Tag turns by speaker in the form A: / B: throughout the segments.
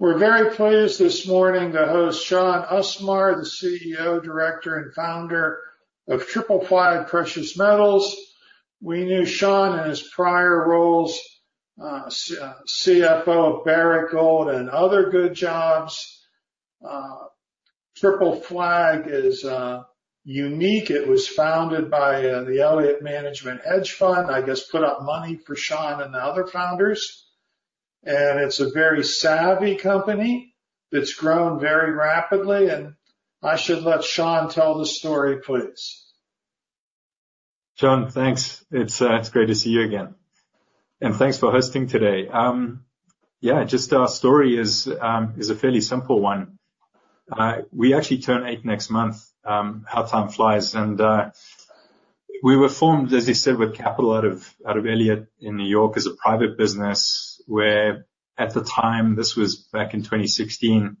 A: We're very pleased this morning to host Shaun Usmar, the CEO, director, and founder of Triple Flag Precious Metals. We knew Shaun in his prior roles, CFO of Barrick Gold and other good jobs. Triple Flag is unique. It was founded by the Elliott Management hedge fund, I guess, put up money for Shaun and the other founders, and it's a very savvy company that's grown very rapidly, and I should let Shaun tell the story, please.
B: John, thanks. It's, it's great to see you again, and thanks for hosting today. Yeah, just our story is a fairly simple one. We actually turn eight next month. How time flies! And, we were formed, as you said, with capital out of Elliott in New York, as a private business, where at the time, this was back in 2016.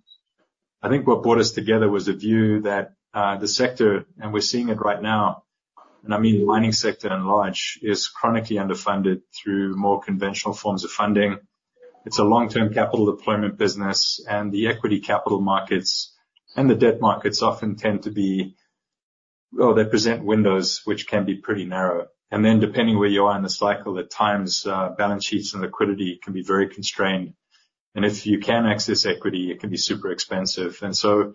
B: I think what brought us together was a view that the sector, and we're seeing it right now, and I mean, the mining sector at large, is chronically underfunded through more conventional forms of funding. It's a long-term capital deployment business, and the equity capital markets and the debt markets often tend to be... Well, they present windows which can be pretty narrow. Then depending where you are in the cycle, at times, balance sheets and liquidity can be very constrained, and if you can access equity, it can be super expensive. So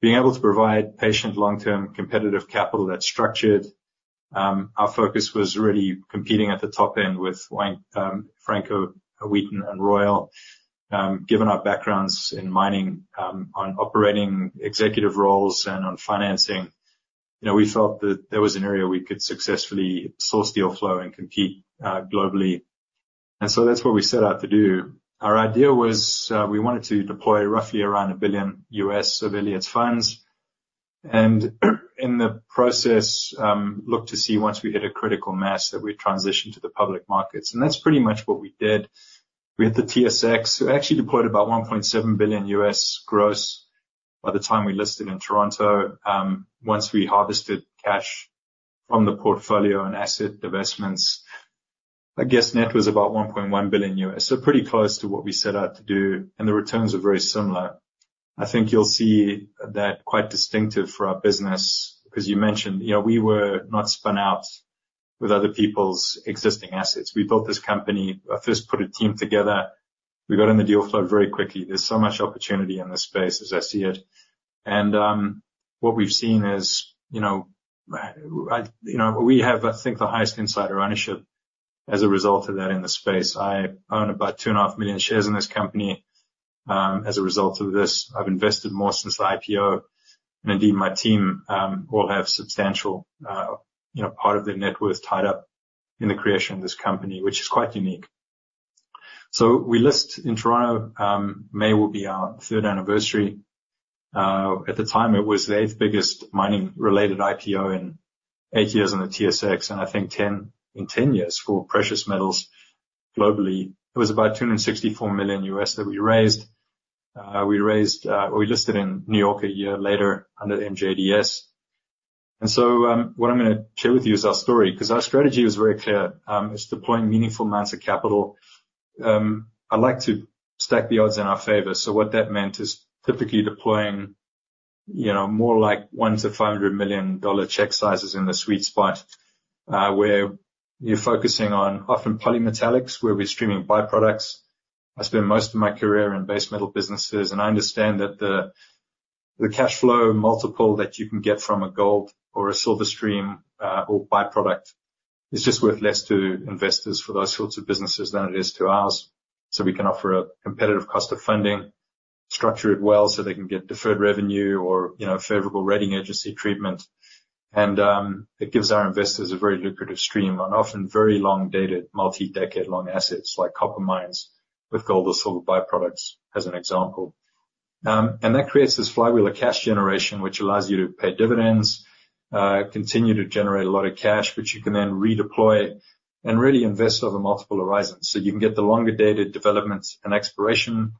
B: being able to provide patient, long-term, competitive capital that's structured, our focus was really competing at the top end with Wheaton, Franco, Wheaton, and Royal. Given our backgrounds in mining, on operating executive roles and on financing, you know, we felt that there was an area we could successfully source deal flow and compete globally. So that's what we set out to do. Our idea was, we wanted to deploy roughly around $1 billion of Elliott's funds, and, in the process, look to see, once we hit a critical mass, that we transition to the public markets. That's pretty much what we did. We hit the TSX. We actually deployed about $1.7 billion gross by the time we listed in Toronto. Once we harvested cash from the portfolio and asset divestments, I guess net was about $1.1 billion. So pretty close to what we set out to do, and the returns are very similar. I think you'll see that quite distinctive for our business, because you mentioned, you know, we were not spun out with other people's existing assets. We built this company, first put a team together. We got in the deal flow very quickly. There's so much opportunity in this space as I see it, and what we've seen is, you know, we have, I think, the highest insider ownership as a result of that in the space. I own about 2.5 million shares in this company, as a result of this. I've invested more since the IPO, and indeed, my team, all have substantial, you know, part of their net worth tied up in the creation of this company, which is quite unique. So we listed in Toronto, May will be our third anniversary. At the time, it was the eighth biggest mining-related IPO in 8 years on the TSX, and I think 10, in 10 years for precious metals globally. It was about $264 million that we raised. We raised. We listed in New York a year later under MJDS. And so, what I'm gonna share with you is our story, 'cause our strategy was very clear. It's deploying meaningful amounts of capital. I like to stack the odds in our favor, so what that meant is typically deploying, you know, more like $100 million-$500 million check sizes in the sweet spot, where you're focusing on often polymetallics, where we're streaming byproducts. I spent most of my career in base metal businesses, and I understand that the cash flow multiple that you can get from a gold or a silver stream, or byproduct is just worth less to investors for those sorts of businesses than it is to ours. So we can offer a competitive cost of funding, structure it well, so they can get deferred revenue or, you know, favorable rating agency treatment. It gives our investors a very lucrative stream on often very long-dated, multi-decade long assets, like copper mines with gold or silver byproducts, as an example. And that creates this flywheel of cash generation, which allows you to pay dividends, continue to generate a lot of cash, which you can then redeploy and really invest over multiple horizons. So you can get the longer-dated developments and exploration,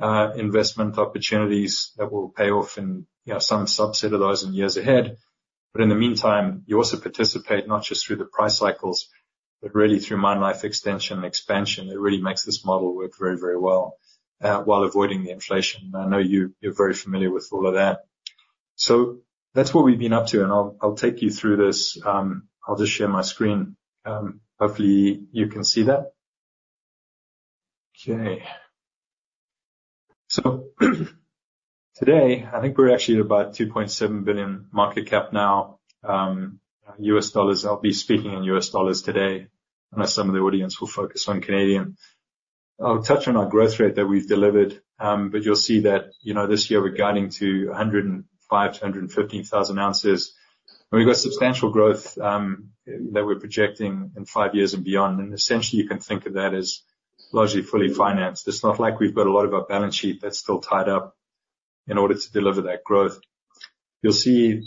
B: investment opportunities that will pay off in, you know, some subset of those in years ahead. But in the meantime, you also participate not just through the price cycles, but really through mine life extension and expansion. It really makes this model work very, very well, while avoiding the inflation. I know you, you're very familiar with all of that. So that's what we've been up to, and I'll take you through this. I'll just share my screen. Hopefully you can see that. Okay. So, today, I think we're actually at about $2.7 billion market cap now, US dollars. I'll be speaking in US dollars today, unless some of the audience will focus on Canadian. I'll touch on our growth rate that we've delivered, but you'll see that, you know, this year, we're guiding to 105-115 thousand ounces. And we've got substantial growth that we're projecting in five years and beyond, and essentially, you can think of that as largely fully financed. It's not like we've got a lot of our balance sheet that's still tied up in order to deliver that growth. You'll see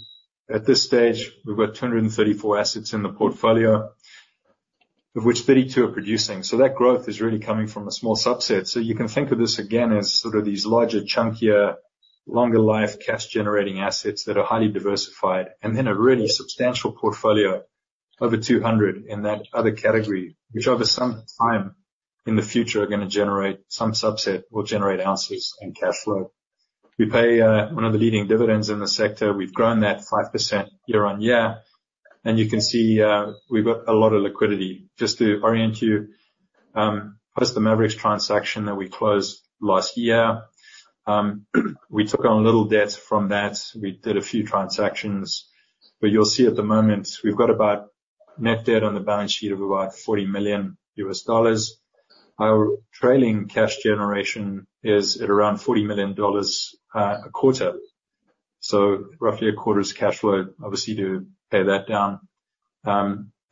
B: at this stage, we've got 234 assets in the portfolio, of which 32 are producing, so that growth is really coming from a small subset. So you can think of this, again, as sort of these larger, chunkier, longer-life, cash-generating assets that are highly diversified, and then a really substantial portfolio... over 200 in that other category, which over some time in the future are gonna generate, some subset, will generate ounces and cash flow. We pay one of the leading dividends in the sector. We've grown that 5% year-on-year, and you can see, we've got a lot of liquidity. Just to orient you, post the Maverix transaction that we closed last year, we took on a little debt from that. We did a few transactions, but you'll see at the moment, we've got about net debt on the balance sheet of about $40 million. Our trailing cash generation is at around $40 million a quarter, so roughly a quarter's cash flow, obviously, to pay that down.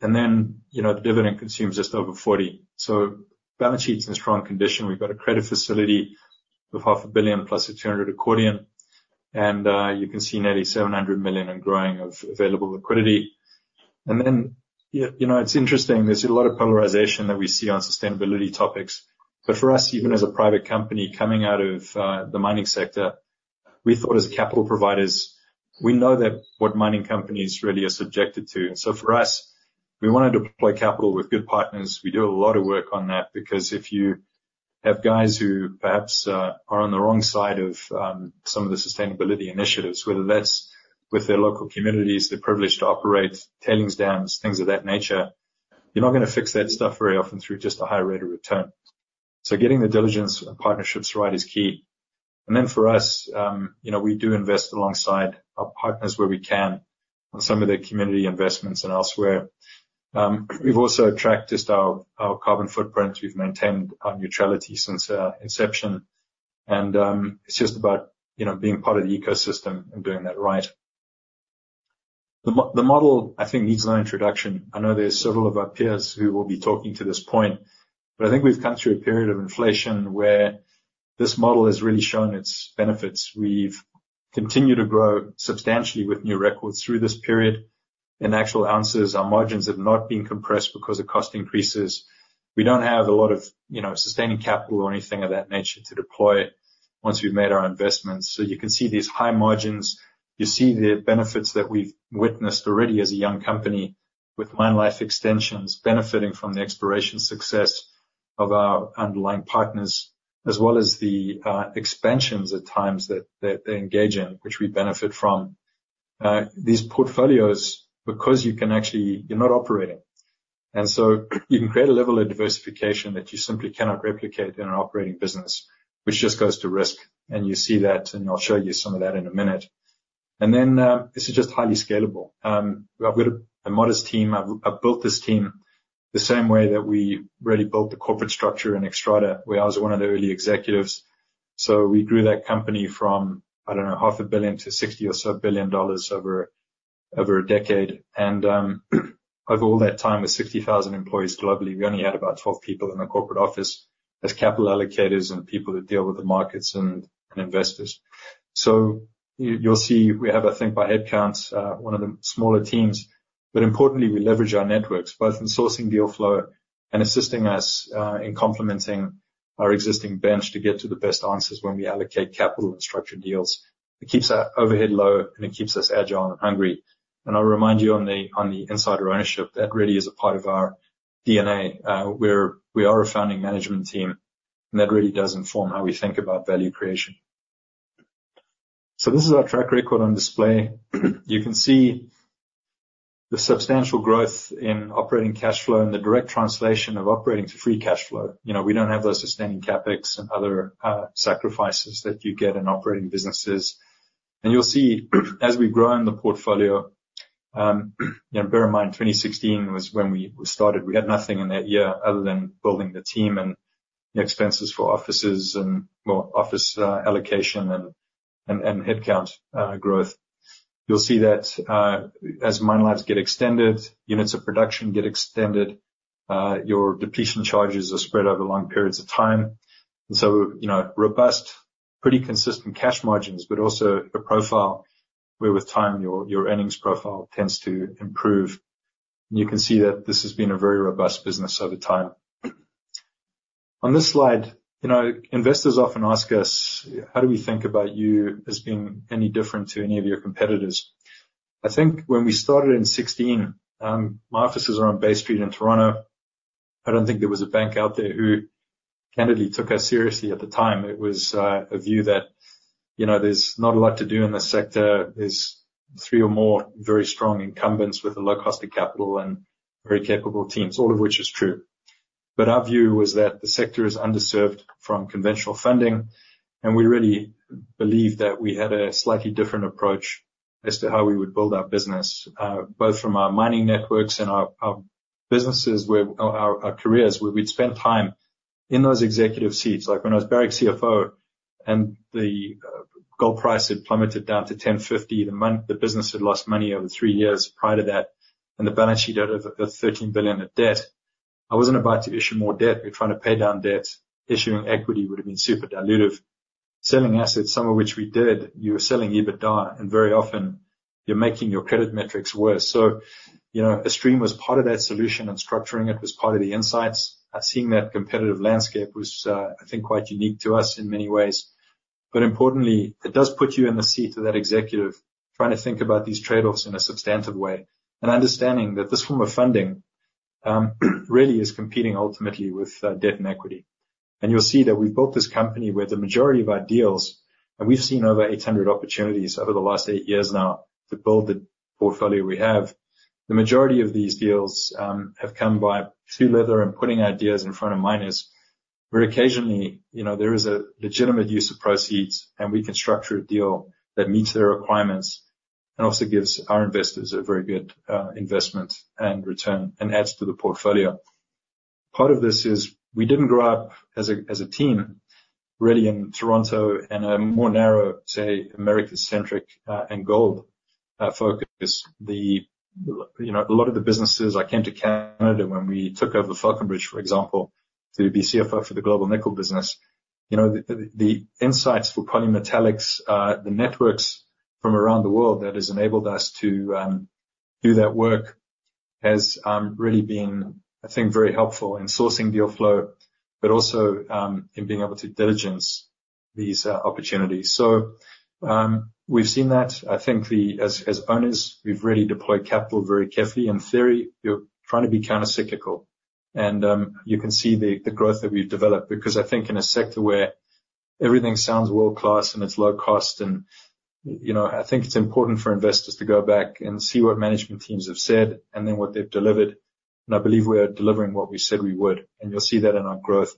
B: And then, you know, the dividend consumes just over $40 million. So balance sheet's in strong condition. We've got a credit facility of $500 million plus a $200 million accordion, and you can see nearly $700 million and growing of available liquidity. And then, you know, it's interesting, there's a lot of polarization that we see on sustainability topics, but for us, even as a private company coming out of the mining sector, we thought as capital providers, we know that what mining companies really are subjected to. So for us, we wanted to deploy capital with good partners. We do a lot of work on that, because if you have guys who perhaps are on the wrong side of some of the sustainability initiatives, whether that's with their local communities, the privilege to operate, tailings dams, things of that nature, you're not gonna fix that stuff very often through just a higher rate of return. Getting the diligence and partnerships right is key. Then for us, you know, we do invest alongside our partners where we can on some of their community investments and elsewhere. We've also tracked just our, our carbon footprint. We've maintained our neutrality since inception, and it's just about, you know, being part of the ecosystem and doing that right. The model, I think, needs no introduction. I know there are several of our peers who will be talking to this point, but I think we've come through a period of inflation where this model has really shown its benefits. We've continued to grow substantially with new records through this period. In actual ounces, our margins have not been compressed because of cost increases. We don't have a lot of, you know, sustaining capital or anything of that nature to deploy once we've made our investments. So you can see these high margins. You see the benefits that we've witnessed already as a young company, with mine life extensions benefiting from the exploration success of our underlying partners, as well as the expansions at times that they engage in, which we benefit from. These portfolios, because you can actually—you're not operating, and so you can create a level of diversification that you simply cannot replicate in an operating business, which just goes to risk, and you see that, and I'll show you some of that in a minute. Then this is just highly scalable. I've got a modest team. I've built this team the same way that we really built the corporate structure in Xstrata, where I was one of the early executives. So we grew that company from, I don't know, $500 million to $60 billion or so over a decade. And over all that time, with 60,000 employees globally, we only had about 12 people in the corporate office as capital allocators and people that deal with the markets and investors. So you'll see, we have, I think, by headcounts, one of the smaller teams, but importantly, we leverage our networks, both in sourcing deal flow and assisting us in complementing our existing bench to get to the best answers when we allocate capital and structured deals. It keeps our overhead low, and it keeps us agile and hungry. I'll remind you on the insider ownership, that really is a part of our DNA. We are a founding management team, and that really does inform how we think about value creation. This is our track record on display. You can see the substantial growth in operating cash flow and the direct translation of operating to free cash flow. You know, we don't have those sustaining CapEx and other sacrifices that you get in operating businesses. You'll see, as we grow in the portfolio, you know, bear in mind, 2016 was when we started. We had nothing in that year other than building the team and expenses for offices and, well, office allocation and head count growth. You'll see that, as mine lives get extended, units of production get extended, your depletion charges are spread over long periods of time. So, you know, robust, pretty consistent cash margins, but also a profile where, with time, your, your earnings profile tends to improve. You can see that this has been a very robust business over time. On this slide, you know, investors often ask us, "How do we think about you as being any different to any of your competitors?" I think when we started in 2016, my offices are on Bay Street in Toronto. I don't think there was a bank out there who candidly took us seriously at the time. It was, a view that, you know, there's not a lot to do in this sector. There's three or more very strong incumbents with a low cost of capital and very capable teams, all of which is true. But our view was that the sector is underserved from conventional funding, and we really believed that we had a slightly different approach as to how we would build our business, both from our mining networks and our businesses, where our careers, where we'd spent time in those executive seats. Like, when I was Barrick CFO, and the gold price had plummeted down to $1,050 the month, the business had lost money over three years prior to that, and the balance sheet had over $13 billion of debt. I wasn't about to issue more debt. We were trying to pay down debt. Issuing equity would've been super dilutive. Selling assets, some of which we did, you were selling EBITDA, and very often, you're making your credit metrics worse. So, you know, a stream was part of that solution, and structuring it was part of the insights. Seeing that competitive landscape was, I think, quite unique to us in many ways. But importantly, it does put you in the seat of that executive trying to think about these trade-offs in a substantive way, and understanding that this form of funding really is competing ultimately with debt and equity. And you'll see that we've built this company where the majority of our deals, and we've seen over 800 opportunities over the last eight years now to build the portfolio we have. The majority of these deals have come by through letter and putting ideas in front of miners, where occasionally, you know, there is a legitimate use of proceeds, and we can structure a deal that meets their requirements and also gives our investors a very good investment and return, and adds to the portfolio. Part of this is, we didn't grow up as a, as a team, really, in Toronto, in a more narrow, say, America-centric and gold focus. You know, a lot of the businesses, I came to Canada when we took over Falconbridge, for example, to be CFO for the global nickel business. You know, the insights for polymetallics, the networks from around the world that has enabled us to do that work has really been, I think, very helpful in sourcing deal flow, but also in being able to diligence these opportunities. So, we've seen that. I think as, as owners, we've really deployed capital very carefully. In theory, you're trying to be countercyclical, and you can see the growth that we've developed, because I think in a sector where everything sounds world-class and it's low cost and, you know, I think it's important for investors to go back and see what management teams have said and then what they've delivered, and I believe we are delivering what we said we would, and you'll see that in our growth.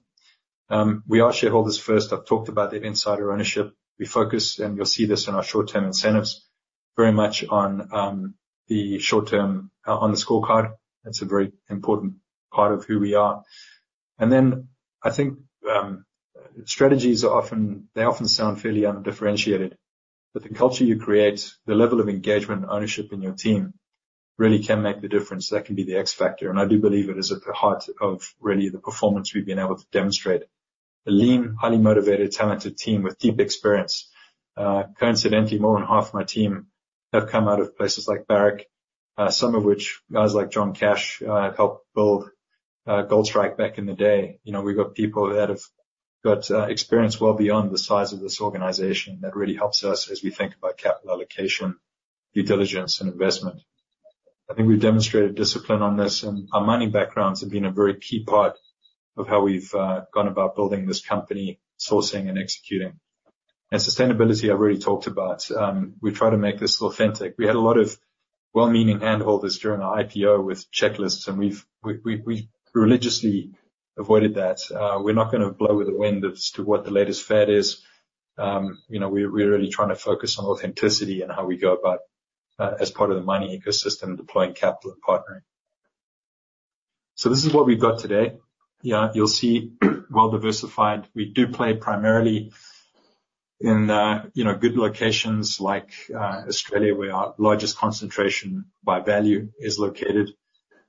B: We are shareholders first. I've talked about the insider ownership. We focus, and you'll see this in our short-term incentives, very much on the short-term on the scorecard. That's a very important part of who we are. And then I think strategies are often, they often sound fairly undifferentiated, but the culture you create, the level of engagement and ownership in your team, really can make the difference. That can be the X factor, and I do believe it is at the heart of really the performance we've been able to demonstrate. A lean, highly motivated, talented team with deep experience. Coincidentally, more than half my team have come out of places like Barrick, some of which, guys like John Cash, helped build Goldstrike back in the day. You know, we've got people that have got experience well beyond the size of this organization. That really helps us as we think about capital allocation, due diligence, and investment. I think we've demonstrated discipline on this, and our mining backgrounds have been a very key part of how we've gone about building this company, sourcing and executing. And sustainability, I've already talked about. We try to make this authentic. We had a lot of well-meaning handholders during our IPO with checklists, and we've religiously avoided that. We're not gonna blow with the wind as to what the latest fad is. You know, we're really trying to focus on authenticity and how we go about as part of the mining ecosystem, deploying capital and partnering. So this is what we've got today. Yeah, you'll see, well-diversified. We do play primarily in, you know, good locations like Australia, where our largest concentration by value is located.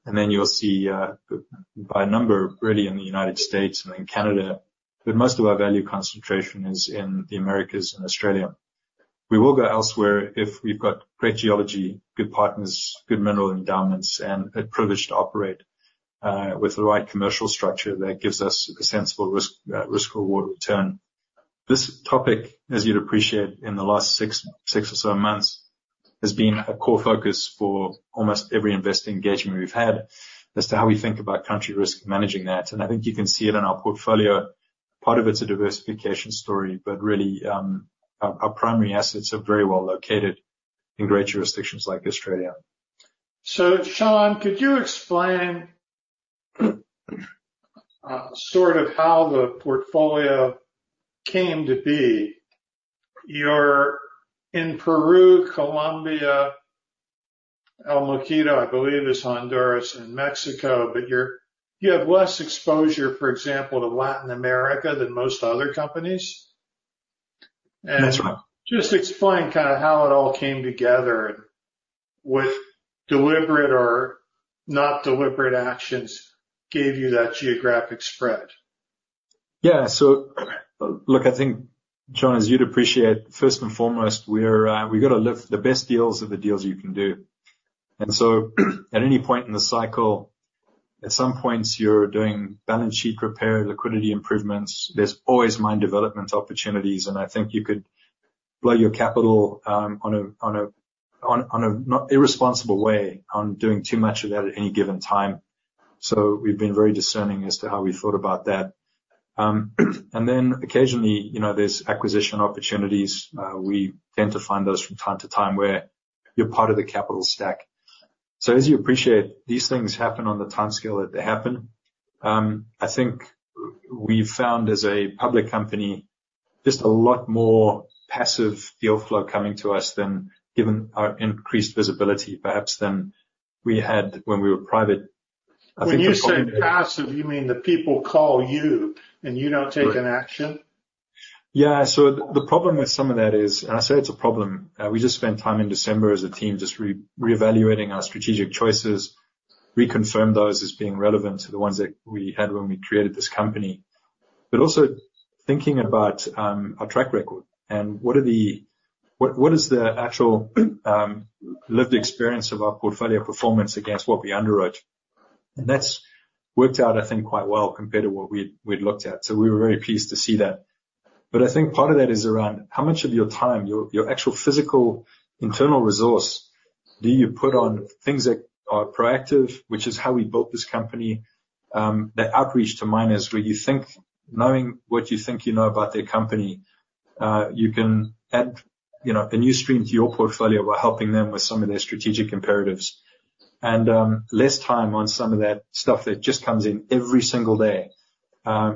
B: And then you'll see, by number, really in the United States and in Canada, but most of our value concentration is in the Americas and Australia. We will go elsewhere if we've got great geology, good partners, good mineral endowments, and a privilege to operate, with the right commercial structure that gives us a sensible risk, risk/reward return. This topic, as you'd appreciate, in the last six, six or so months, has been a core focus for almost every investor engagement we've had as to how we think about country risk and managing that. And I think you can see it in our portfolio. Part of it's a diversification story, but really, our primary assets are very well located in great jurisdictions like Australia.
A: So, Shaun, could you explain, sort of how the portfolio came to be? You're in Peru, Colombia, El Mochito, I believe, is Honduras and Mexico, but you're- you have less exposure, for example, to Latin America than most other companies.
B: That's right.
A: Just explain kind of how it all came together, and what deliberate or not deliberate actions gave you that geographic spread?
B: Yeah. So look, I think, John, as you'd appreciate, first and foremost, we're we've got to look, the best deals are the deals you can do. And so at any point in the cycle, at some points, you're doing balance sheet repair, liquidity improvements. There's always mine development opportunities, and I think you could blow your capital on a not irresponsible way on doing too much of that at any given time. So we've been very discerning as to how we thought about that. And then occasionally, you know, there's acquisition opportunities. We tend to find those from time to time where you're part of the capital stack. So as you appreciate, these things happen on the timescale that they happen. I think we've found, as a public company, just a lot more passive deal flow coming to us than, given our increased visibility, perhaps than we had when we were private.
A: When you say passive, you mean that people call you and you don't take an action?
B: Yeah. So the problem with some of that is, and I say it's a problem, we just spent time in December as a team, just reevaluating our strategic choices. Reconfirmed those as being relevant to the ones that we had when we created this company, but also thinking about our track record and what is the actual lived experience of our portfolio performance against what we underwrote? That's worked out, I think, quite well compared to what we'd looked at, so we were very pleased to see that. But I think part of that is around how much of your time, your actual physical, internal resource do you put on things that are proactive, which is how we built this company, that outreach to miners, where you think, knowing what you think you know about their company, you can add, you know, a new stream to your portfolio by helping them with some of their strategic imperatives. And, less time on some of that stuff that just comes in every single day,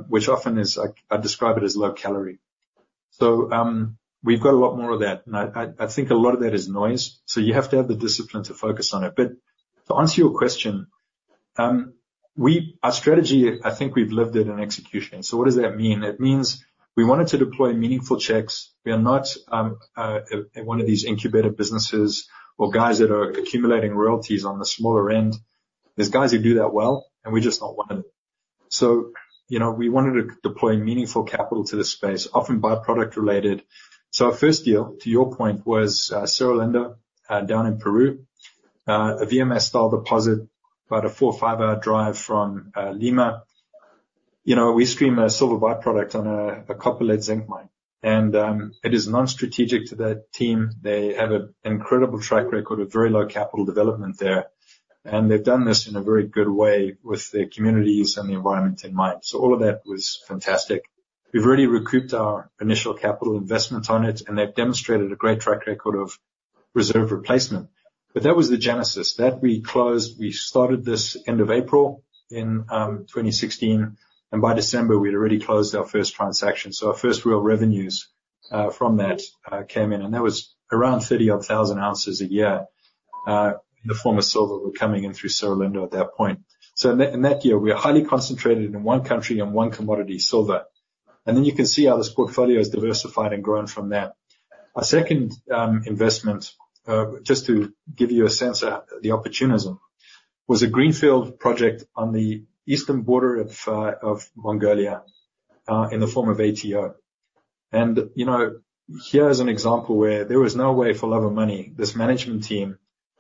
B: which often is, I describe it as low calorie. So, we've got a lot more of that, and I think a lot of that is noise, so you have to have the discipline to focus on it. But to answer your question, we—our strategy, I think we've lived it in execution. So what does that mean? It means we wanted to deploy meaningful checks. We are not one of these incubator businesses or guys that are accumulating royalties on the smaller end. There's guys who do that well, and we're just not one of them. So, you know, we wanted to deploy meaningful capital to this space, often by-product related. So our first deal, to your point, was Cerro Lindo down in Peru, a VMS-style deposit, about a 4- or 5-hour drive from Lima. You know, we stream a silver by-product on a copper-lead-zinc mine, and it is non-strategic to that team. They have an incredible track record of very low capital development there, and they've done this in a very good way with the communities and the environment in mind. So all of that was fantastic. We've already recouped our initial capital investment on it, and they've demonstrated a great track record of reserve replacement. That was the genesis. We started this end of April in 2016, and by December, we had already closed our first transaction. Our first real revenues from that came in, and that was around 30,000 ounces a year in the form of silver were coming in through Cerro Lindo at that point. In that year, we were highly concentrated in one country and one commodity, silver. You can see how this portfolio has diversified and grown from there. Our second investment just to give you a sense of the opportunism was a greenfield project on the eastern border of Mongolia in the form of ATO. You know, here is an example where there was no way, for love or money, this management team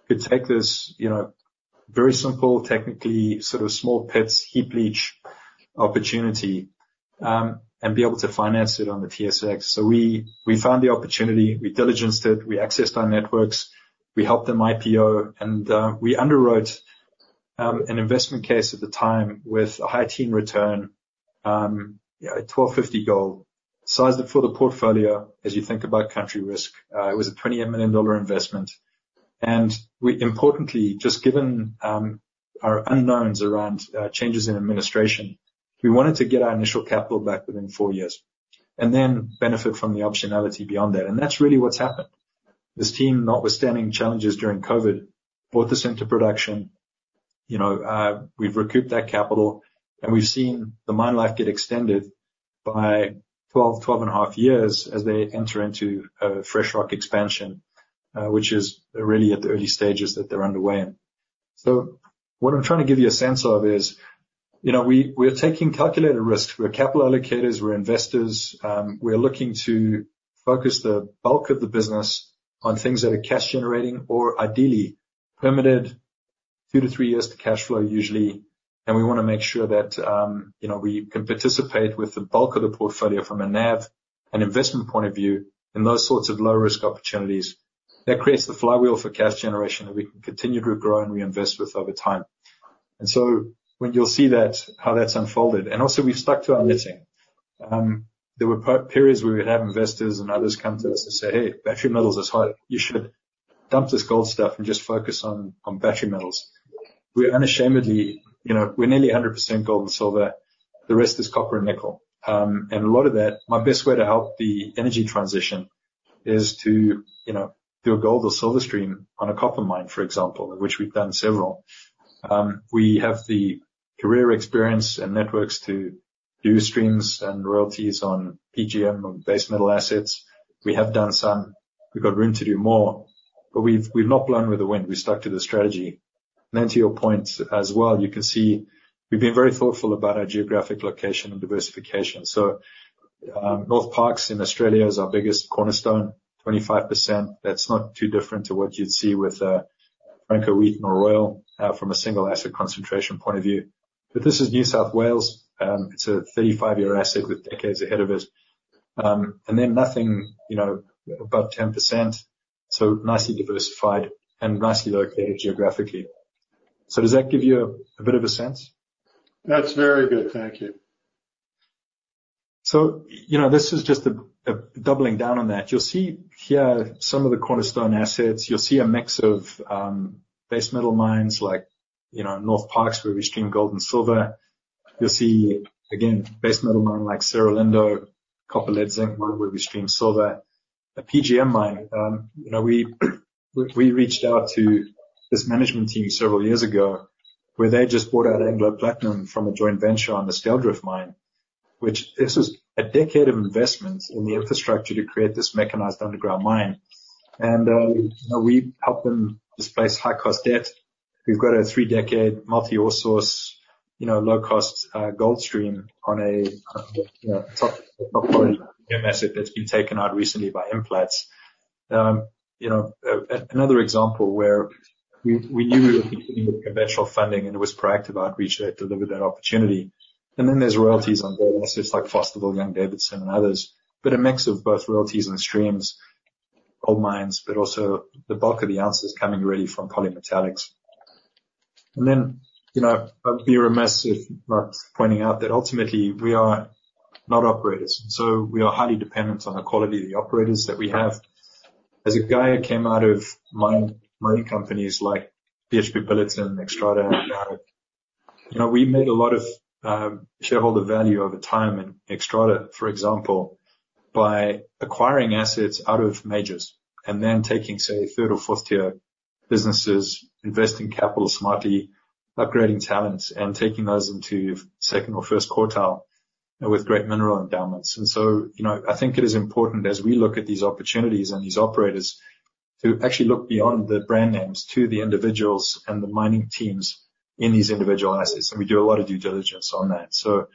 B: could take this, you know, very simple, technically, sort of, small pits, heap leach opportunity, and be able to finance it on the TSX. So we, we found the opportunity, we diligenced it, we accessed our networks, we helped them IPO, and we underwrote an investment case at the time with a high teen return, you know, at $1,250 gold. Sized it for the portfolio, as you think about country risk. It was a $28 million investment, and we importantly, just given our unknowns around changes in administration, we wanted to get our initial capital back within 4 years, and then benefit from the optionality beyond that. That's really what's happened. This team, notwithstanding challenges during COVID, brought this into production. You know, we've recouped that capital, and we've seen the mine life get extended by 12, 12.5 years as they enter into a fresh rock expansion, which is really at the early stages that they're underway in. So what I'm trying to give you a sense of is, you know, we're taking calculated risks. We're capital allocators, we're investors, we're looking to focus the bulk of the business on things that are cash generating or ideally permitted 2-3 years to cash flow, usually. And we wanna make sure that, you know, we can participate with the bulk of the portfolio from a NAV and investment point of view, in those sorts of low-risk opportunities. That creates the flywheel for cash generation that we can continue to grow and reinvest with over time. When you'll see that, how that's unfolded... Also, we've stuck to our knitting. There were periods where we'd have investors and others come to us and say, "Hey, battery metals is hot. You should dump this gold stuff and just focus on battery metals." We're unashamedly, you know, we're nearly 100% gold and silver. The rest is copper and nickel. And a lot of that, my best way to help the energy transition is to, you know, do a gold or silver stream on a copper mine, for example, of which we've done several. We have the career experience and networks to do streams and royalties on PGM, on base metal assets. We have done some. We've got room to do more, but we've not blown with the wind. We've stuck to the strategy. To your point as well, you can see we've been very thoughtful about our geographic location and diversification. So, Northparkes in Australia is our biggest cornerstone, 25%. That's not too different to what you'd see with Franco-Nevada or Royal, from a single asset concentration point of view. But this is New South Wales. It's a 35-year asset with decades ahead of it. And then nothing, you know, above 10%, so nicely diversified and nicely located geographically. So does that give you a bit of a sense?
A: That's very good. Thank you.
B: So, you know, this is just a doubling down on that. You'll see here some of the cornerstone assets. You'll see a mix of base metal mines, like, you know, Northparkes, where we stream gold and silver. You'll see, again, base metal mine, like Cerro Lindo, copper, lead, zinc mine, where we stream silver. A PGM mine, you know, we reached out to this management team several years ago, where they just bought out Anglo Platinum from a joint venture on the Styldrift mine, which this is a decade of investment in the infrastructure to create this mechanized underground mine. And, you know, we helped them displace high-cost debt. We've got a three-decade multi-ore source-... you know, low-cost gold stream on a, you know, top, top-quality asset that's been taken out recently by Implats. You know, another example where we, we knew we were competing with conventional funding, and it was proactive outreach that delivered that opportunity. And then there's royalties on gold assets like Fosterville, Young-Davidson, and others, but a mix of both royalties and streams, gold mines, but also the bulk of the ounces coming really from polymetallics. And then, you know, I'd be remiss if not pointing out that ultimately we are not operators, so we are highly dependent on the quality of the operators that we have. As a guy who came out of mining companies like BHP Billiton, Xstrata, and others, you know, we made a lot of shareholder value over time in Xstrata, for example, by acquiring assets out of majors, and then taking, say, third or fourth tier businesses, investing capital smartly, upgrading talents, and taking those into second or first quartile with great mineral endowments. And so, you know, I think it is important as we look at these opportunities and these operators, to actually look beyond the brand names to the individuals and the mining teams in these individual assets, and we do a lot of due diligence on that. So,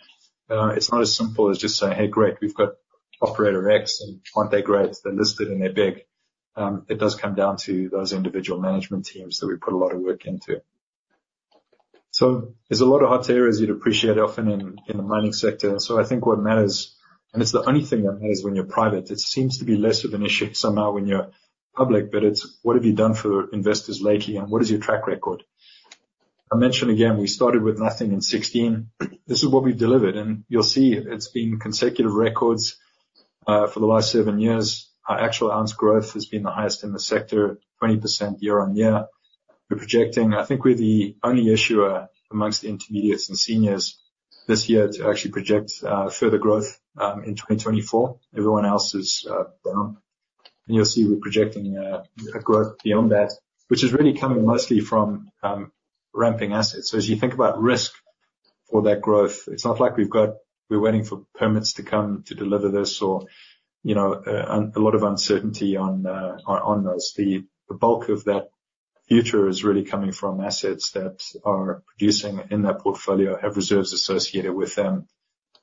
B: it's not as simple as just saying, "Hey, great, we've got operator X, and aren't they great? They're listed, and they're big." It does come down to those individual management teams that we put a lot of work into. So there's a lot of hot areas you'd appreciate often in the mining sector, and so I think what matters, and it's the only thing that matters when you're private, it seems to be less of an issue somehow when you're public, but it's what have you done for investors lately, and what is your track record? I'll mention again, we started with nothing in 2016. This is what we delivered, and you'll see it's been consecutive records for the last seven years. Our actual ounce growth has been the highest in the sector, 20% year-on-year. We're projecting, I think we're the only issuer amongst the intermediates and seniors this year to actually project further growth in 2024. Everyone else is down. And you'll see we're projecting a growth beyond that, which is really coming mostly from ramping assets. So as you think about risk for that growth, it's not like we've got- we're waiting for permits to come to deliver this or, you know, a lot of uncertainty on those. The bulk of that future is really coming from assets that are producing in that portfolio, have reserves associated with them,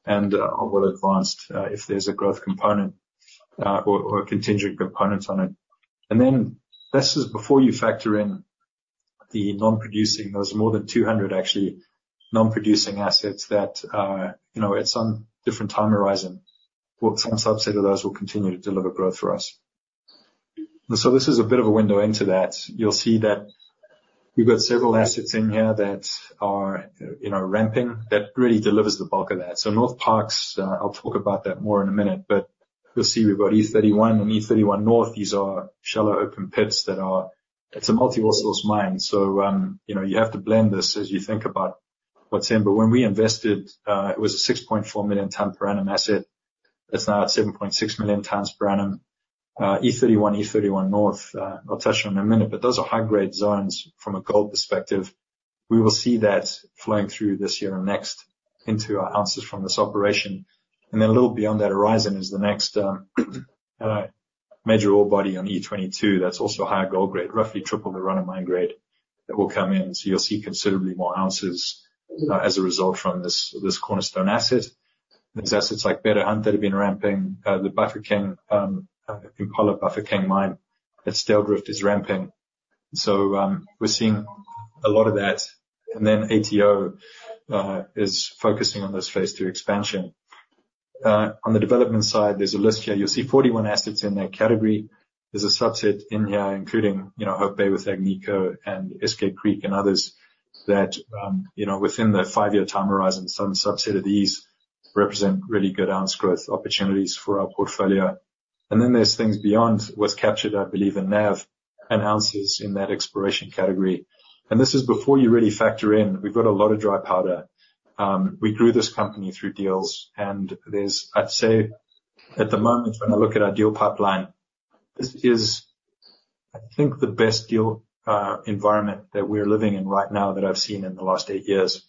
B: and are well advanced if there's a growth component or a contingent component on it. And then this is before you factor in the non-producing. There's more than 200 actually non-producing assets that are, you know, at some different time horizon, but some subset of those will continue to deliver growth for us. This is a bit of a window into that. You'll see that we've got several assets in here that are, you know, ramping, that really delivers the bulk of that. Northparkes, I'll talk about that more in a minute, but you'll see we've got E31 and E31 North. These are shallow, open pits that are... It's a multi-ore source mine, so, you know, you have to blend this as you think about what's in. But when we invested, it was a 6.4 million ton per annum asset. It's now at 7.6 million tons per annum. E31, E31 North, I'll touch on in a minute, but those are high-grade zones from a gold perspective. We will see that flowing through this year and next into our ounces from this operation. And then a little beyond that horizon is the next, major ore body on E22. That's also a higher gold grade, roughly triple the run of mine grade, that will come in. So you'll see considerably more ounces, as a result from this, this cornerstone asset. There are assets like Beta Hunt that have been ramping. The Impala Bafokeng mine at Styldrift is ramping. So, we're seeing a lot of that. And then ATO is focusing on this phase II expansion. On the development side, there's a list here. You'll see 41 assets in that category. There's a subset in here, including, you know, Hope Bay with Agnico and Eskay Creek and others, that, you know, within the five-year time horizon, some subset of these represent really good ounce growth opportunities for our portfolio. And then there's things beyond what's captured, I believe, in NAV and ounces in that exploration category. And this is before you really factor in, we've got a lot of dry powder. We grew this company through deals, and there's, I'd say, at the moment, when I look at our deal pipeline, this is, I think, the best deal environment that we're living in right now that I've seen in the last eight years.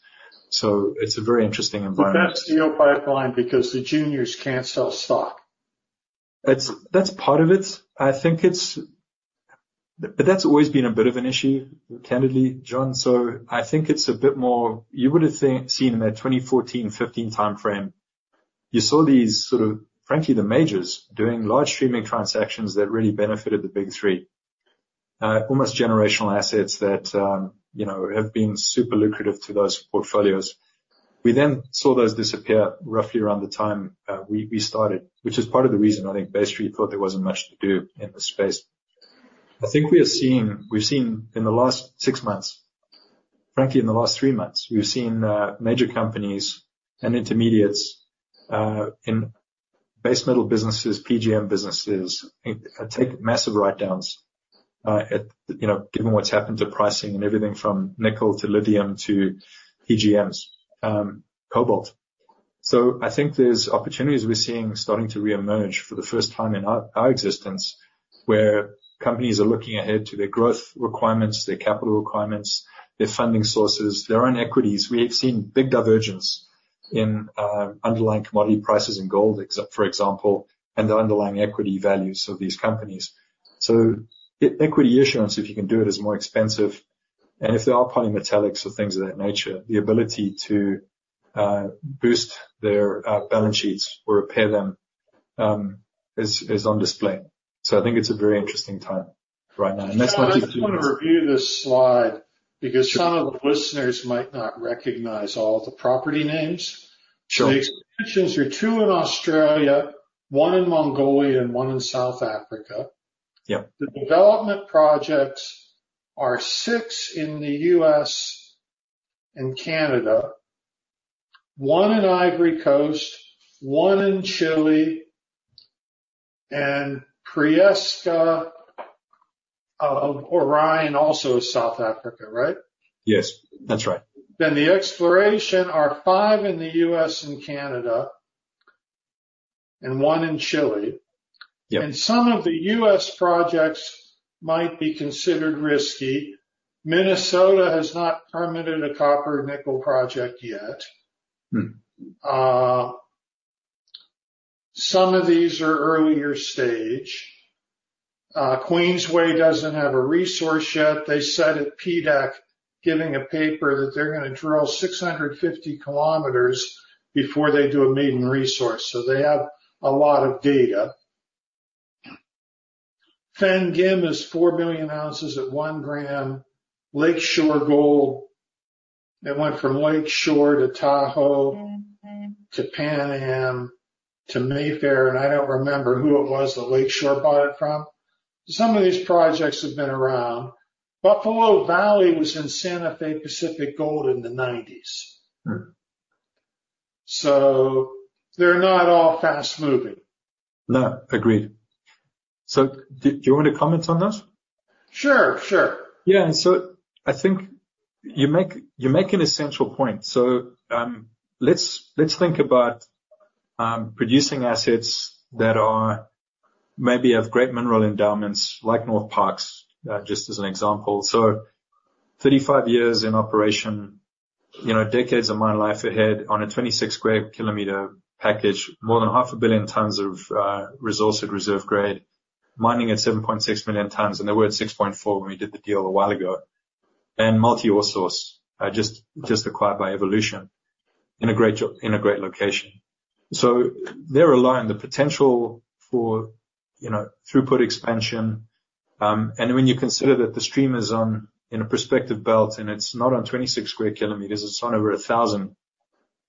B: So it's a very interesting environment.
A: But that's deal pipeline, because the juniors can't sell stock.
B: That's, that's part of it. I think it's... But that's always been a bit of an issue, candidly, John. So I think it's a bit more. You would've think, seen in that 2014, 2015 timeframe, you saw these sort of, frankly, the majors doing large streaming transactions that really benefited the Big Three. Almost generational assets that, you know, have been super lucrative to those portfolios. We then saw those disappear roughly around the time we started, which is part of the reason I think Bay Street thought there wasn't much to do in this space. I think we are seeing—we've seen in the last six months, frankly, in the last three months, we've seen major companies and intermediates in base metal businesses, PGM businesses, take massive write-downs, you know, given what's happened to pricing and everything from nickel to lithium to PGMs, cobalt. So I think there's opportunities we're seeing starting to reemerge for the first time in our, our existence, where companies are looking ahead to their growth requirements, their capital requirements, their funding sources, their own equities. We have seen big divergence in underlying commodity prices in gold, except for example, and the underlying equity values of these companies. So equity issuance, if you can do it, is more expensive. If there are polymetallics or things of that nature, the ability to boost their balance sheets or repair them is on display. I think it's a very interesting time right now, and that's not just-
A: I just wanna review this slide because some of the listeners might not recognize all the property names.
B: Sure.
A: The expansions are two in Australia, one in Mongolia, and one in South Africa.
B: Yep.
A: The development projects are six in the U.S. and Canada, one in Ivory Coast, one in Chile, and Prieska, Orion, also South Africa, right?
B: Yes, that's right.
A: Then the exploration are five in the U.S. and Canada, and one in Chile.
B: Yep.
A: Some of the U.S. projects might be considered risky. Minnesota has not permitted a copper and nickel project yet. Some of these are earlier stage. Queensway doesn't have a resource yet. They said at PDAC, giving a paper, that they're gonna drill 650 kilometers before they do a maiden resource, so they have a lot of data. Fenn-Gib is 4 billion ounces at 1 gram. Lake Shore Gold, it went from Lake Shore to Tahoe, to Pan Am, to Mayfair, and I don't remember who it was that Lake Shore bought it from. Some of these projects have been around. Buffalo Valley was in Santa Fe Pacific Gold in the 1990s. They're not all fast-moving.
B: No, agreed. So did you want to comment on that?
A: Sure, sure.
B: Yeah, and so I think you make, you make an essential point. So, let's, let's think about producing assets that are, maybe have great mineral endowments, like Northparkes, just as an example. So 35 years in operation, you know, decades of mine life ahead on a 26 square kilometer package, more than 500 million tons of resourced reserve grade, mining at 7.6 million tons, and they were at 6.4 when we did the deal a while ago. And multi-ore source just acquired by Evolution, in a great location. So they're aligned. The potential for, you know, throughput expansion, and when you consider that the stream is on, in a prospective belt, and it's not on 26 square kilometers, it's on over 1,000,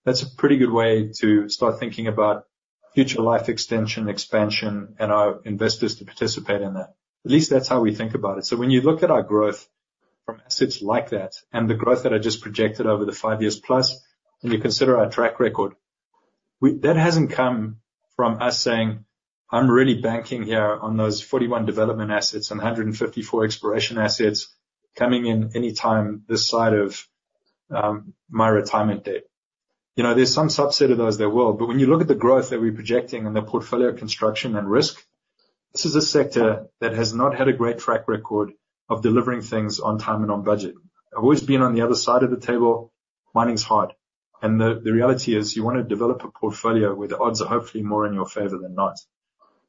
B: that's a pretty good way to start thinking about future life extension, expansion, and our investors to participate in that. At least that's how we think about it. So when you look at our growth from assets like that and the growth that I just projected over the five years plus, when you consider our track record, we, that hasn't come from us saying, "I'm really banking here on those 41 development assets and 154 exploration assets coming in any time this side of my retirement date." You know, there's some subset of those that will, but when you look at the growth that we're projecting and the portfolio construction and risk, this is a sector that has not had a great track record of delivering things on time and on budget. I've always been on the other side of the table. Mining's hard, and the reality is, you wanna develop a portfolio where the odds are hopefully more in your favor than not.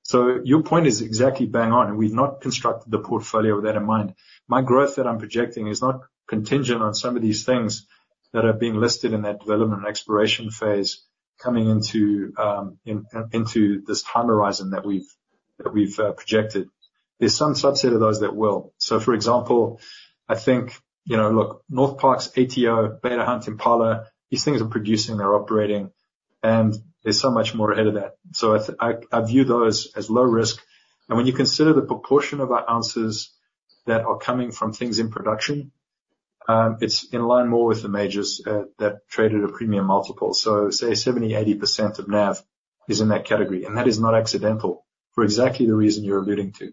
B: So your point is exactly bang on, and we've not constructed the portfolio with that in mind. My growth that I'm projecting is not contingent on some of these things that have been listed in that development and exploration phase coming into this time horizon that we've projected. There's some subset of those that will. So, for example, I think, you know, look, Northparkes, ATO, Beta Hunt, Impala, these things are producing, they're operating, and there's so much more ahead of that. So I view those as low risk. And when you consider the proportion of our ounces that are coming from things in production, it's in line more with the majors that trade at a premium multiple. So say 70%-80% of NAV is in that category, and that is not accidental, for exactly the reason you're alluding to.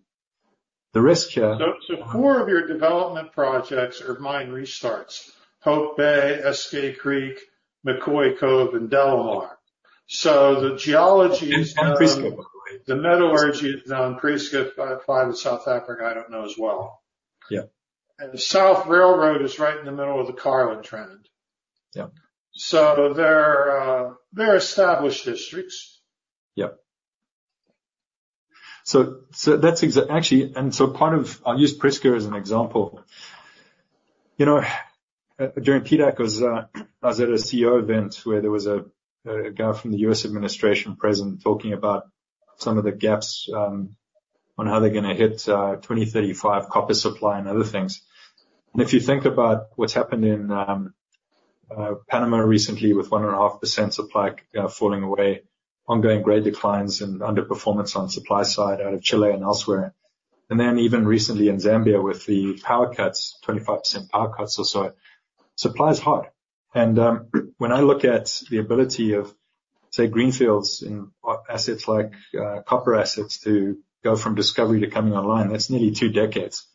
B: The risk here-
A: So four of your development projects are mine restarts: Hope Bay, Eskay Creek, McCoy Cove, and DeLamar. So the geology is-
B: And Prieska.
A: The metallurgy down Prieska, five in South Africa, I don't know as well.
B: Yeah.
A: The South Railroad is right in the middle of the Carlin Trend.
B: Yeah.
A: So they're established districts.
B: Yep. Actually, and so part of, I'll use Prieska as an example. You know, during PDAC, I was at a CEO event where there was a guy from the U.S. administration present, talking about some of the gaps on how they're gonna hit 2035 copper supply and other things. And if you think about what's happened in Panama recently with 1.5% supply falling away, ongoing grade declines and underperformance on supply side out of Chile and elsewhere, and then even recently in Zambia with the power cuts, 25% power cuts or so, supply is hard. And when I look at the ability of, say, greenfields or assets like copper assets, to go from discovery to coming online, that's nearly two decades.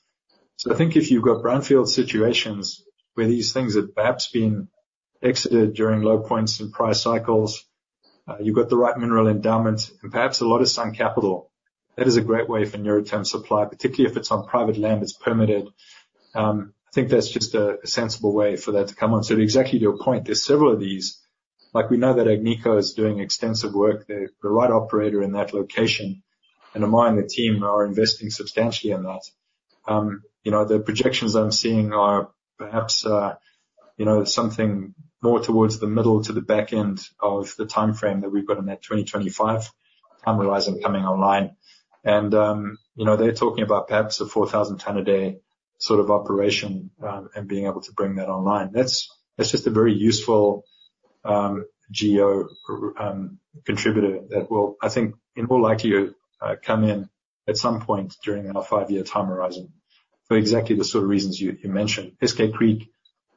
B: So I think if you've got brownfield situations where these things have perhaps been exited during low points in price cycles, you've got the right mineral endowments, and perhaps a lot of sunk capital. That is a great way for near-term supply, particularly if it's on private land that's permitted. I think that's just a sensible way for that to come on. So exactly to your point, there's several of these. Like, we know that Agnico is doing extensive work. They're the right operator in that location, and mine and the team are investing substantially in that. You know, the projections I'm seeing are perhaps, you know, something more towards the middle to the back end of the timeframe that we've got on that 2025 time horizon coming online. You know, they're talking about perhaps a 4,000 ton a day sort of operation, and being able to bring that online. That's, that's just a very useful GEO contributor that will, I think, it will likely come in at some point during our 5-year time horizon for exactly the sort of reasons you mentioned. Eskay Creek,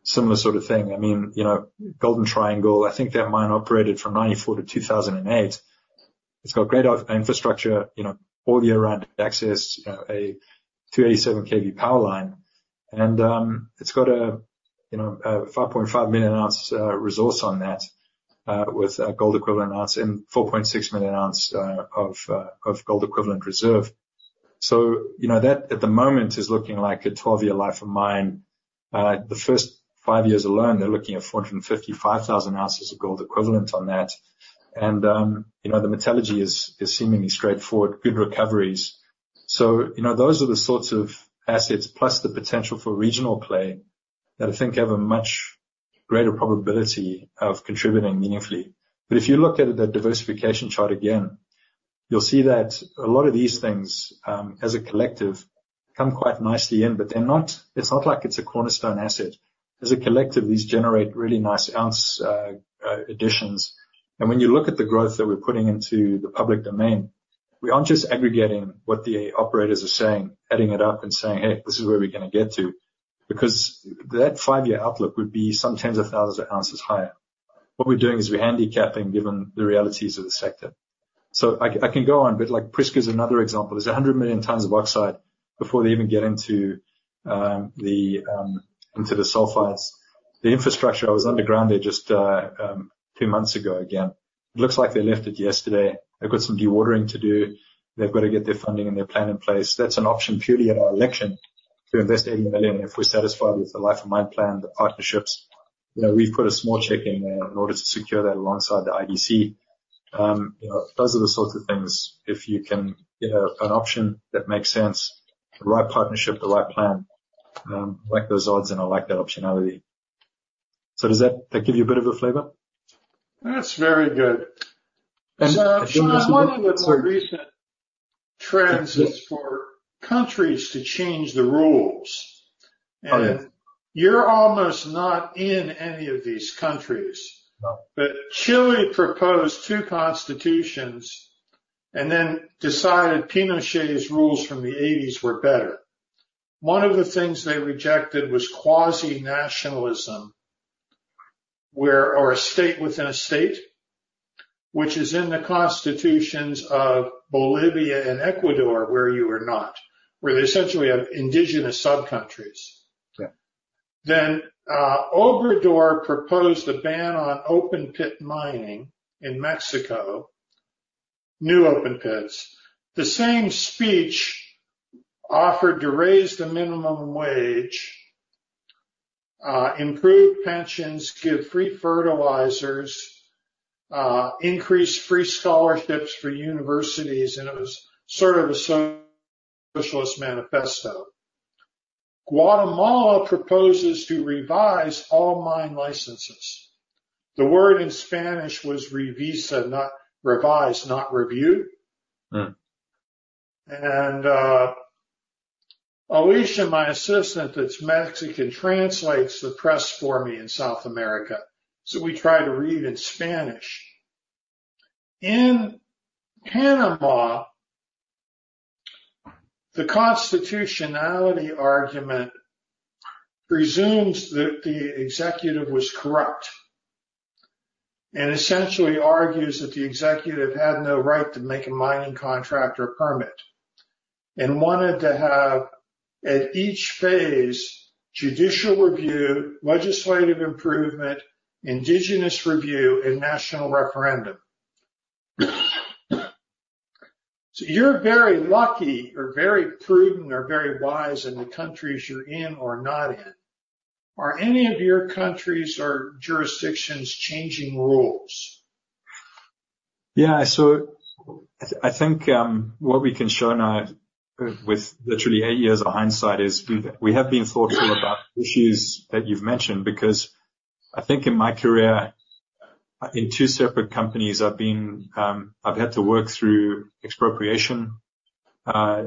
B: similar sort of thing. I mean, you know, Golden Triangle, I think that mine operated from 1994 to 2008. It's got great infrastructure, you know, all year round access, a 287 kV power line, and it's got a, you know, a 5.5 million ounce resource on that with gold equivalent ounces and 4.6 million ounce of gold equivalent reserves. So, you know, that, at the moment, is looking like a 12-year life of mine. The first five years alone, they're looking at 455,000 ounces of gold equivalent on that. And, you know, the metallurgy is seemingly straightforward, good recoveries. So, you know, those are the sorts of assets, plus the potential for regional play, that I think have a much greater probability of contributing meaningfully. But if you look at the diversification chart again, you'll see that a lot of these things, as a collective, come quite nicely in, but they're not—it's not like it's a cornerstone asset. As a collective, these generate really nice ounce additions. And when you look at the growth that we're putting into the public domain, we aren't just aggregating what the operators are saying, adding it up and saying, "Hey, this is where we're gonna get to," because that five-year outlook would be some tens of thousands of ounces higher. What we're doing is we're handicapping, given the realities of the sector. I can go on, but like Prieska is another example. There's 100 million tons of oxide before they even get into the sulfides. The infrastructure, I was underground there just two months ago again. It looks like they left it yesterday. They've got some dewatering to do. They've got to get their funding and their plan in place. That's an option purely at our election to invest $80 million if we're satisfied with the life of mine plan, the partnerships. You know, we've put a small check in there in order to secure that alongside the IDC. You know, those are the sorts of things, if you can get an option that makes sense, the right partnership, the right plan, I like those odds, and I like that optionality. So does that give you a bit of a flavor?
A: That's very good.
B: And-
A: One of the more recent trends is for countries to change the rules.
B: Oh, yeah.
A: You're almost not in any of these countries.
B: No.
A: But Chile proposed two constitutions and then decided Pinochet's rules from the eighties were better. One of the things they rejected was quasi-nationalism, where... or a state within a state, which is in the constitutions of Bolivia and Ecuador, where you are not, where they essentially have indigenous sub-countries.
B: Yeah.
A: Obrador proposed a ban on open-pit mining in Mexico, new open pits. The same speech offered to raise the minimum wage, improve pensions, give free fertilizers, increase free scholarships for universities, and it was sort of a socialist manifesto. Guatemala proposes to revise all mine licenses. The word in Spanish was revisa, not revise, not review. Alicia, my assistant, that's Mexican, translates the press for me in South America, so we try to read in Spanish. In Panama, the constitutionality argument presumes that the executive was corrupt, and essentially argues that the executive had no right to make a mining contract or permit, and wanted to have, at each phase, judicial review, legislative improvement, indigenous review, and national referendum. So you're very lucky or very prudent or very wise in the countries you're in or not in. Are any of your countries or jurisdictions changing rules?
B: Yeah, so I think what we can show now with literally eight years of hindsight is we have been thoughtful about issues that you've mentioned, because I think in my career in two separate companies I've had to work through expropriation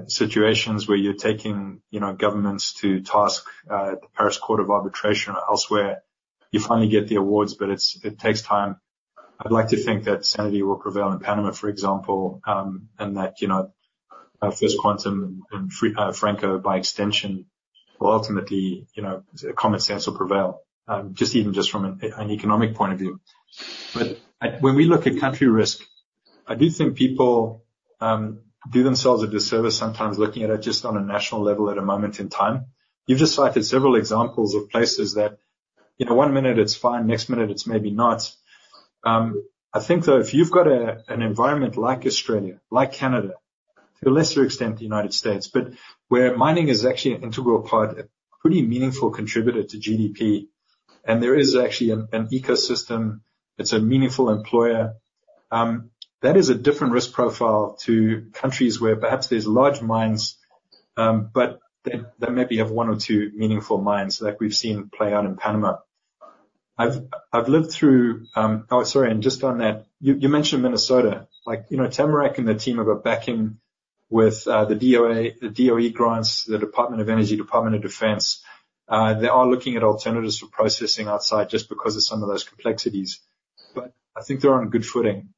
B: situations where you're taking you know governments to task at the Paris Court of Arbitration or elsewhere. You finally get the awards, but it takes time. I'd like to think that sanity will prevail in Panama, for example, and that you know First Quantum and Franco, by extension, will ultimately you know common sense will prevail just even just from an economic point of view. But when we look at country risk-... I do think people do themselves a disservice sometimes looking at it just on a national level at a moment in time. You've just cited several examples of places that, you know, one minute it's fine, next minute it's maybe not. I think, though, if you've got an environment like Australia, like Canada, to a lesser extent, the United States, but where mining is actually an integral part, a pretty meaningful contributor to GDP, and there is actually an ecosystem, it's a meaningful employer, that is a different risk profile to countries where perhaps there's large mines, but they maybe have one or two meaningful mines, like we've seen play out in Panama. I've lived through, oh, sorry, and just on that, you mentioned Minnesota. Like, you know, Tamarack and the team have got backing with the DOD, the DOE grants, the Department of Energy, Department of Defense. They are looking at alternatives for processing outside just because of some of those complexities. But I think they're on good footing.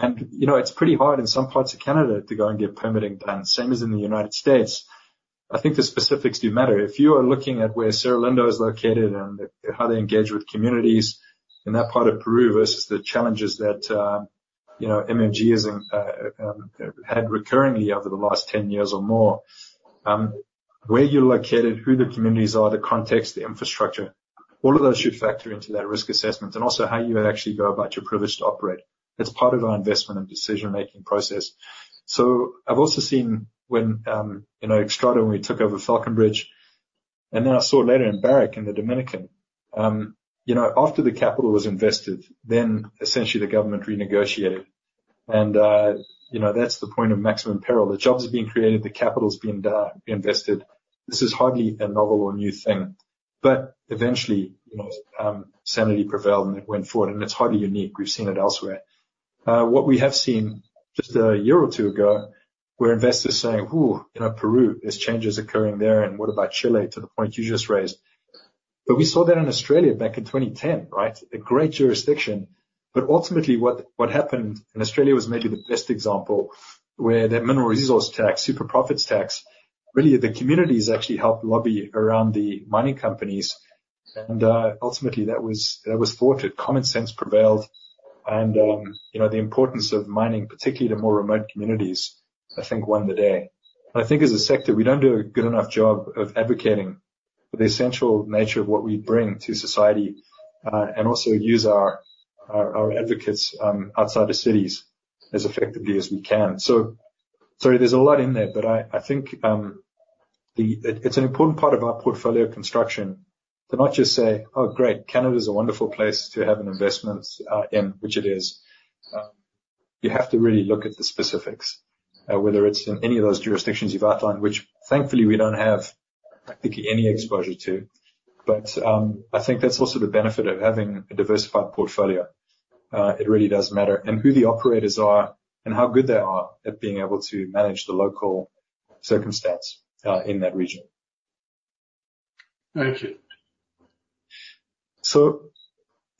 B: And, you know, it's pretty hard in some parts of Canada to go and get permitting done, same as in the United States. I think the specifics do matter. If you are looking at where Cerro Lindo is located and how they engage with communities in that part of Peru versus the challenges that, you know, Las Bambas or Peru LNG had recurringly over the last 10 years or more. Where you're located, who the communities are, the context, the infrastructure, all of those should factor into that risk assessment, and also how you would actually go about your privilege to operate. It's part of our investment and decision-making process. So I've also seen when, you know, Xstrata, when we took over Falconbridge, and then I saw it later in Barrick, in the Dominican, you know, after the capital was invested, then essentially the government renegotiated. And, you know, that's the point of maximum peril. The jobs are being created, the capital is being invested. This is hardly a novel or new thing, but eventually, you know, sanity prevailed, and it went forward, and it's hardly unique. We've seen it elsewhere. What we have seen just a year or two ago, where investors are saying, "Ooh, you know, Peru, there's changes occurring there, and what about Chile?" To the point you just raised. But we saw that in Australia back in 2010, right? A great jurisdiction, but ultimately, what happened, and Australia was maybe the best example, where that mineral resource tax, super profits tax, really, the communities actually helped lobby around the mining companies. And ultimately, that was thwarted. Common sense prevailed. And you know, the importance of mining, particularly to more remote communities, I think, won the day. I think as a sector, we don't do a good enough job of advocating for the essential nature of what we bring to society, and also use our advocates outside the cities as effectively as we can. Sorry, there's a lot in there, but I think, it's an important part of our portfolio construction to not just say, "Oh, great, Canada is a wonderful place to have an investment," in which it is. You have to really look at the specifics, whether it's in any of those jurisdictions you've outlined, which thankfully we don't have, I think, any exposure to. But, I think that's also the benefit of having a diversified portfolio. It really does matter, and who the operators are and how good they are at being able to manage the local circumstance, in that region.
A: Thank you.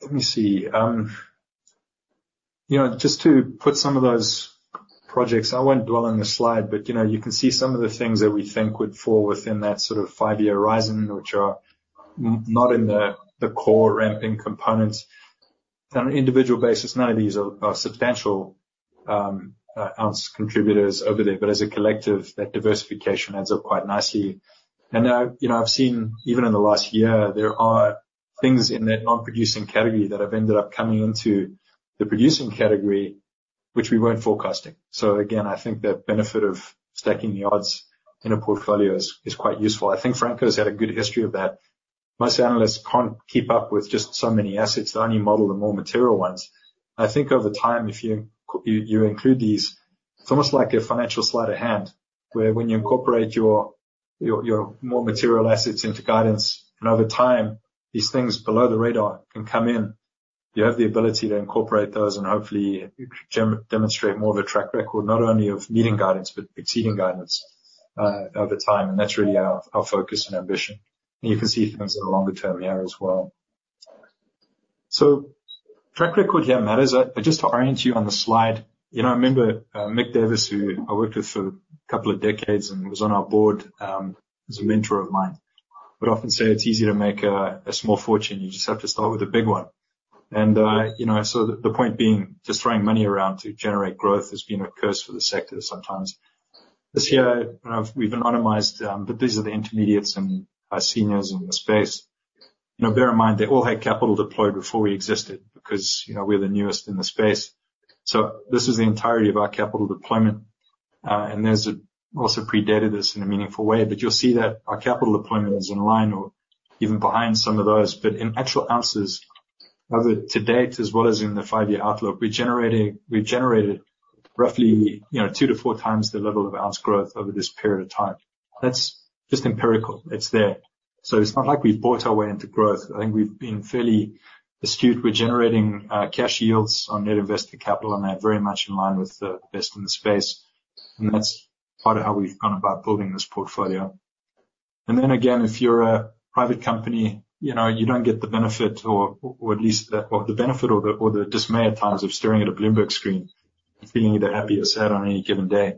B: Let me see. You know, just to put some of those projects, I won't dwell on this slide, but, you know, you can see some of the things that we think would fall within that sort of five-year horizon, which are not in the core ramping components. On an individual basis, none of these are substantial ounce contributors over there, but as a collective, that diversification adds up quite nicely. I, you know, I've seen, even in the last year, there are things in that non-producing category that have ended up coming into the producing category, which we weren't forecasting. Again, I think the benefit of stacking the odds in a portfolio is quite useful. I think Franco's had a good history of that. Most analysts can't keep up with just so many assets. They only model the more material ones. I think over time, if you include these, it's almost like a financial sleight of hand, where when you incorporate your more material assets into guidance, and over time, these things below the radar can come in. You have the ability to incorporate those and hopefully demonstrate more of a track record, not only of meeting guidance, but exceeding guidance, over time. And that's really our focus and ambition. And you can see things in the longer term here as well. So track record here matters. I just to orient you on the slide, you know, I remember, Mick Davis, who I worked with for a couple of decades and was on our board, he was a mentor of mine, would often say: "It's easier to make a small fortune, you just have to start with a big one." And, you know, so the point being, just throwing money around to generate growth has been a curse for the sector sometimes. This here, we've anonymized, but these are the intermediates and our seniors in the space. You know, bear in mind, they all had capital deployed before we existed, because, you know, we're the newest in the space. So this is the entirety of our capital deployment, and there's also predated this in a meaningful way, but you'll see that our capital deployment is in line or even behind some of those. But in actual ounces, whether to date, as well as in the five-year outlook, we've generated roughly, you know, 2-4 times the level of ounce growth over this period of time. That's just empirical. It's there. So it's not like we've bought our way into growth. I think we've been fairly astute. We're generating cash yields on net invested capital, and they're very much in line with the best in the space, and that's part of how we've gone about building this portfolio. Then again, if you're a private company, you know, you don't get the benefit, or at least the, well, the benefit or the dismay at times of staring at a Bloomberg screen, being either happy or sad on any given day.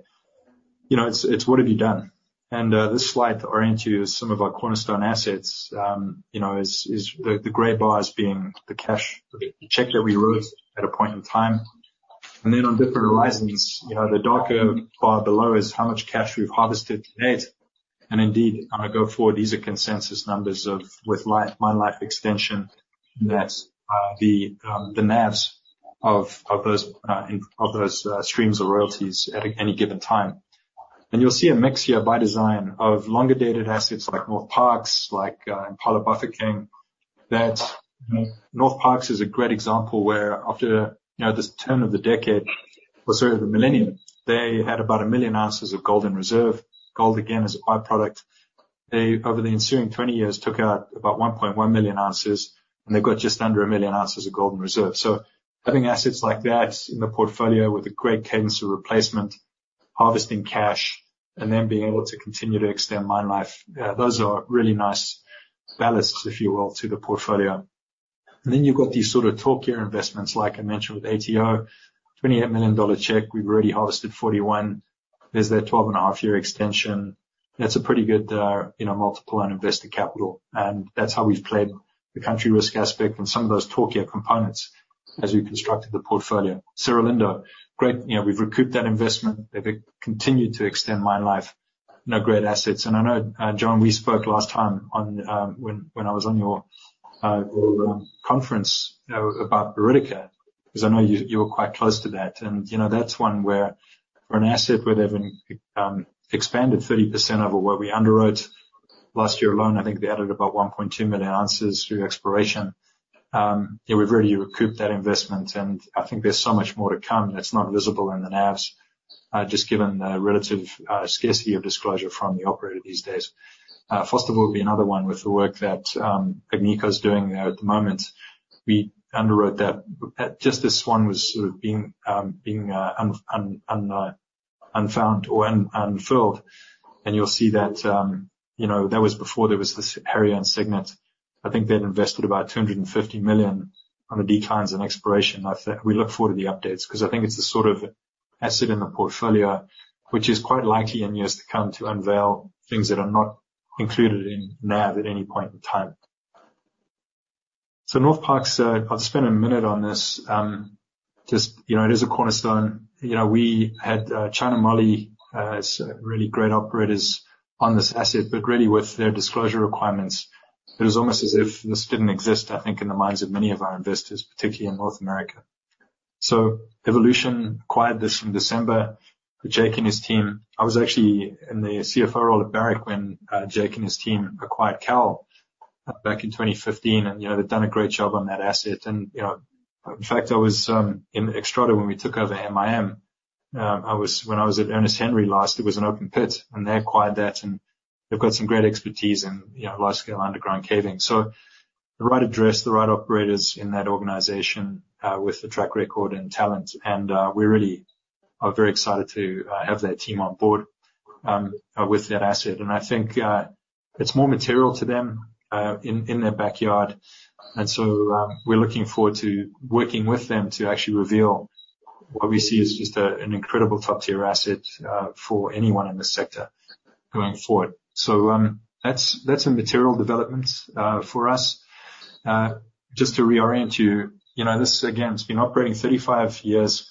B: You know, it's what have you done? And this slide to orient you is some of our cornerstone assets. You know, the gray bars being the cash, the check that we wrote at a point in time. And then on different horizons, you know, the darker bar below is how much cash we've harvested to date. And indeed, as I go forward, these are consensus numbers of, with mine life extension, that the NAVs of those streams or royalties at any given time. You'll see a mix here by design of longer-dated assets like Northparkes, like Impala Bafokeng, that Northparkes is a great example, where after, you know, the turn of the decade, or sorry, the millennium, they had about 1 million ounces of gold in reserve. Gold, again, is a by-product. They, over the ensuing 20 years, took out about 1.1 million ounces, and they've got just under a million ounces of gold in reserve. So having assets like that in the portfolio with a great cadence of replacement, harvesting cash, and then being able to continue to extend mine life, those are really nice ballasts, if you will, to the portfolio. And then you've got these sort of short-term investments, like I mentioned, with ATO. $28 million check, we've already harvested $41 million. There's their 12.5-year extension. That's a pretty good, you know, multiple on invested capital, and that's how we've played the country risk aspect and some of those top-tier components as we constructed the portfolio. Cerro Lindo, great, you know, we've recouped that investment. They've continued to extend mine life. No great assets. And I know, John, we spoke last time on, when I was on your conference, you know, about Buriticá, 'cause I know you were quite close to that. And, you know, that's one where for an asset where they've expanded 30% over what we underwrote last year alone, I think they added about 1.2 million ounces through exploration. Yeah, we've already recouped that investment, and I think there's so much more to come that's not visible in the NAVs, just given the relative scarcity of disclosure from the operator these days. Fosterville will be another one with the work that Agnico's doing there at the moment. We underwrote that, just this one was sort of being unfound or unfilled. And you'll see that, you know, that was before there was this area on Cygnet. I think they'd invested about $250 million on the declines in exploration. We look forward to the updates, 'cause I think it's the sort of asset in the portfolio which is quite likely, in years to come, to unveil things that are not included in NAV at any point in time. So Northparkes, I'll spend a minute on this. Just, you know, it is a cornerstone. You know, we had China Moly as really great operators on this asset, but really, with their disclosure requirements, it was almost as if this didn't exist, I think, in the minds of many of our investors, particularly in North America. So Evolution acquired this in December. Jake and his team. I was actually in the CFO role at Barrick when Jake and his team acquired Cowal back in 2015, and, you know, they've done a great job on that asset. And, you know, in fact, I was in Xstrata when we took over MIM. When I was at Ernest Henry last, it was an open pit, and they acquired that, and they've got some great expertise in, you know, large-scale underground caving. So the right address, the right operators in that organization, with the track record and talent, and, we really are very excited to, have that team on board, with that asset. And I think, it's more material to them, in their backyard, and so, we're looking forward to working with them to actually reveal what we see as just, an incredible top-tier asset, for anyone in this sector going forward. So, that's, that's a material development, for us. Just to reorient you, you know, this, again, it's been operating 35 years.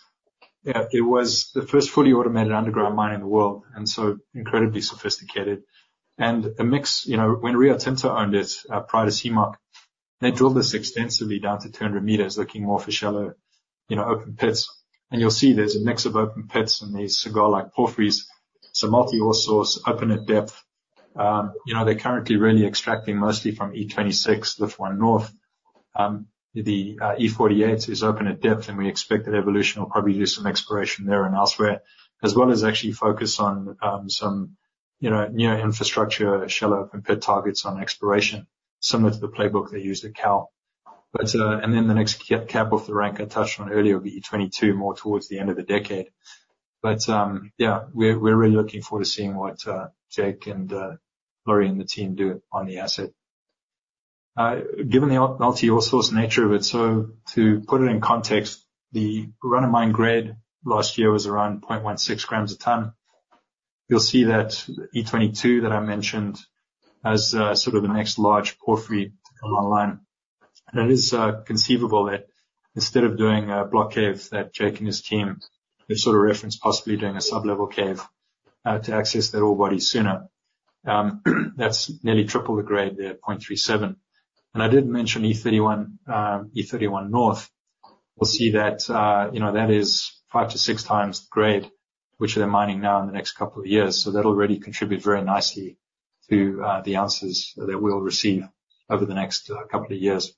B: It was the first fully automated underground mine in the world, and so incredibly sophisticated. And a mix. You know, when Rio Tinto owned it, prior to CMOC, they drilled this extensively down to 200 meters, looking more for shallow, you know, open pits. And you'll see there's a mix of open pits and these cigar-like porphyries, so multi-ore source, open at depth. You know, they're currently really extracting mostly from E26, the one north. The E48 is open at depth, and we expect that Evolution will probably do some exploration there and elsewhere, as well as actually focus on some, you know, near infrastructure, shallow open pit targets on exploration, similar to the playbook they used at Cowal. But, and then the next cab off the rank I touched on earlier, the E22, more towards the end of the decade. But yeah, we're really looking forward to seeing what Jake and Lawrie and the team do on the asset. Given the multi-ore source nature of it, so to put it in context, the run-of-mine grade last year was around 0.16 grams a ton. You'll see that E22 that I mentioned as sort of the next large porphyry online. It is conceivable that instead of doing a block cave, that Jake and his team have sort of referenced possibly doing a sub-level cave to access that ore body sooner. That's nearly triple the grade there, 0.37. And I did mention E31, E31 North. We'll see that, you know, that is 5-6 times the grade which they're mining now in the next couple of years. So that'll really contribute very nicely to the ounces that we'll receive over the next couple of years.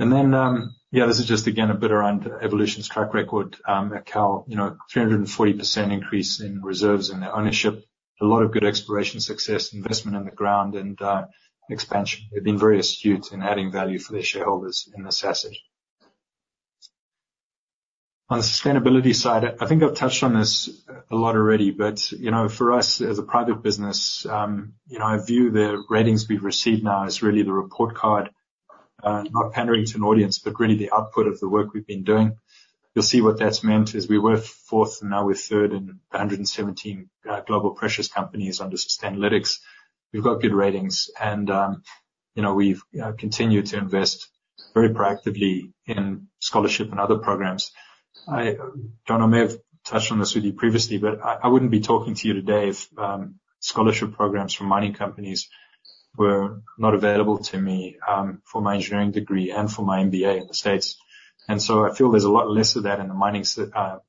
B: And then, yeah, this is just, again, a bit around Evolution's track record at Cowal. You know, 340% increase in reserves and their ownership, a lot of good exploration success, investment in the ground, and expansion. They've been very astute in adding value for their shareholders in this asset. On the sustainability side, I think I've touched on this a lot already, but, you know, for us, as a private business, you know, I view the ratings we've received now as really the report card... not pandering to an audience, but really the output of the work we've been doing. You'll see what that's meant, is we were fourth, and now we're third in 117 global precious companies under Sustainalytics. We've got good ratings, and you know, we've continued to invest very proactively in scholarship and other programs. I, John, I may have touched on this with you previously, but I wouldn't be talking to you today if scholarship programs from mining companies were not available to me for my engineering degree and for my MBA in the States. And so I feel there's a lot less of that in the mining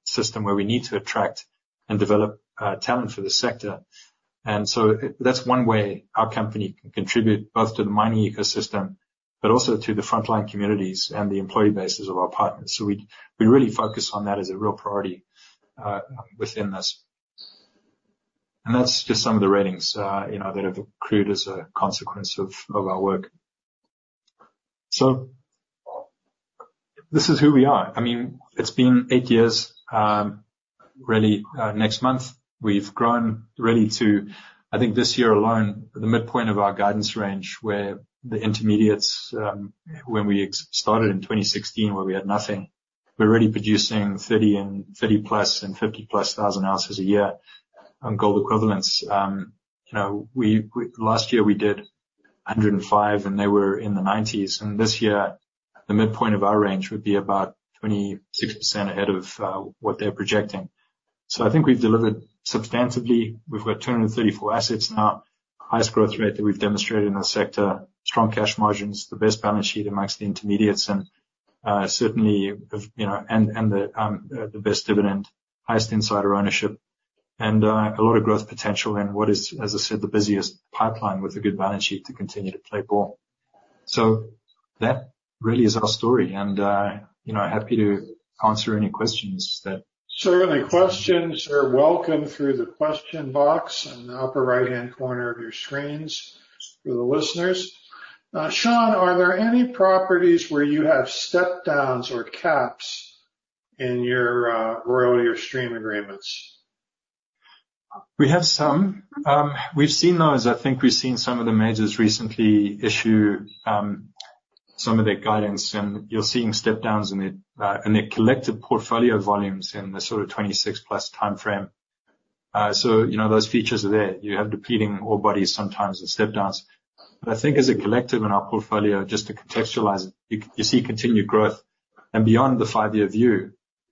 B: system, where we need to attract and develop talent for the sector. And so that's one way our company can contribute, both to the mining ecosystem, but also to the frontline communities and the employee bases of our partners. So we really focus on that as a real priority within this. And that's just some of the ratings, you know, that have accrued as a consequence of our work. So this is who we are. I mean, it's been 8 years, really, next month. We've grown really to, I think this year alone, the midpoint of our guidance range, where the intermediates, when we started in 2016, where we had nothing, we're already producing 30,000 and 30,000+ and 50,000+ ounces a year on gold equivalents. You know, we last year we did 105,000, and they were in the 90s, and this year, the midpoint of our range would be about 26% ahead of what they're projecting. So I think we've delivered substantively. We've got 234 assets now, highest growth rate that we've demonstrated in the sector, strong cash margins, the best balance sheet among the intermediates, and, certainly of, you know, and, and the, the best dividend, highest insider ownership, and, a lot of growth potential in what is, as I said, the busiest pipeline with a good balance sheet to continue to play ball. So that really is our story, and, you know, happy to answer any questions that-
A: Certainly, questions are welcome through the question box in the upper right-hand corner of your screens, for the listeners. Shaun, are there any properties where you have step-downs or caps in your royalty or stream agreements?
B: We have some. We've seen those. I think we've seen some of the majors recently issue some of their guidance, and you're seeing step-downs in their collective portfolio volumes in the sort of 2026+ timeframe. So, you know, those features are there. You have depleting ore bodies, sometimes the step-downs. But I think as a collective in our portfolio, just to contextualize it, you see continued growth. And beyond the five-year view,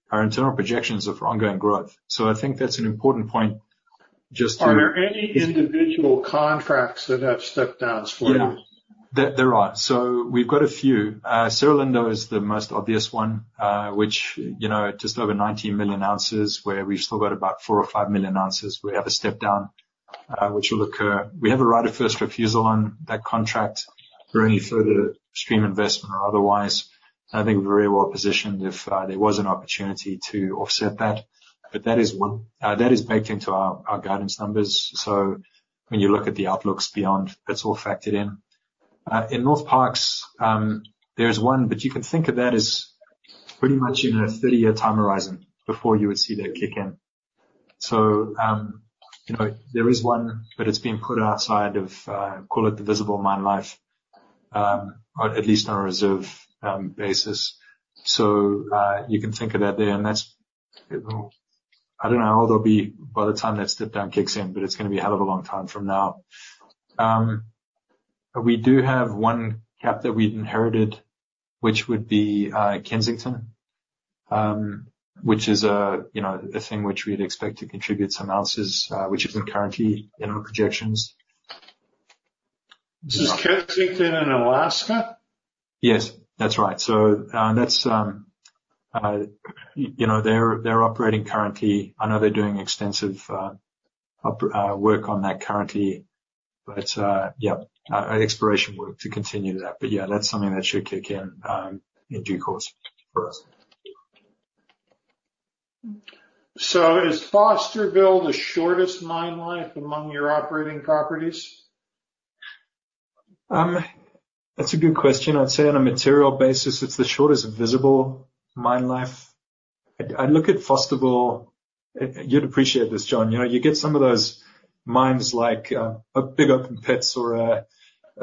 B: our internal projections are for ongoing growth. So I think that's an important point just to-
A: Are there any individual contracts that have step-downs for you?
B: Yeah. There, there are. So we've got a few. Cerro Lindo is the most obvious one, which, you know, just over 19 million ounces, where we've still got about 4 or 5 million ounces. We have a step down, which will occur. We have a right of first refusal on that contract for any further stream investment or otherwise. I think we're very well positioned if there was an opportunity to offset that, but that is one. That is baked into our guidance numbers, so when you look at the outlooks beyond, that's all factored in. In Northparkes, there's one, but you can think of that as pretty much in a 30-year time horizon before you would see that kick in. So, you know, there is one, but it's been put outside of, call it the visible mine life, or at least on a reserve, basis. So, you can think of that there, and that's, I don't know how old they'll be by the time that step down kicks in, but it's gonna be a hell of a long time from now. But we do have one cap that we've inherited, which would be, Kensington, which is a, you know, a thing which we'd expect to contribute some ounces, which isn't currently in our projections.
A: Is Kensington in Alaska?
B: Yes, that's right. So, that's, you know, they're operating currently. I know they're doing extensive work on that currently, but, yeah, an exploration work to continue that. But yeah, that's something that should kick in, in due course for us.
A: So is Fosterville the shortest mine life among your operating properties?
B: That's a good question. I'd say on a material basis, it's the shortest visible mine life. I look at Fosterville, you'd appreciate this, John. You know, you get some of those mines like a big open pits or a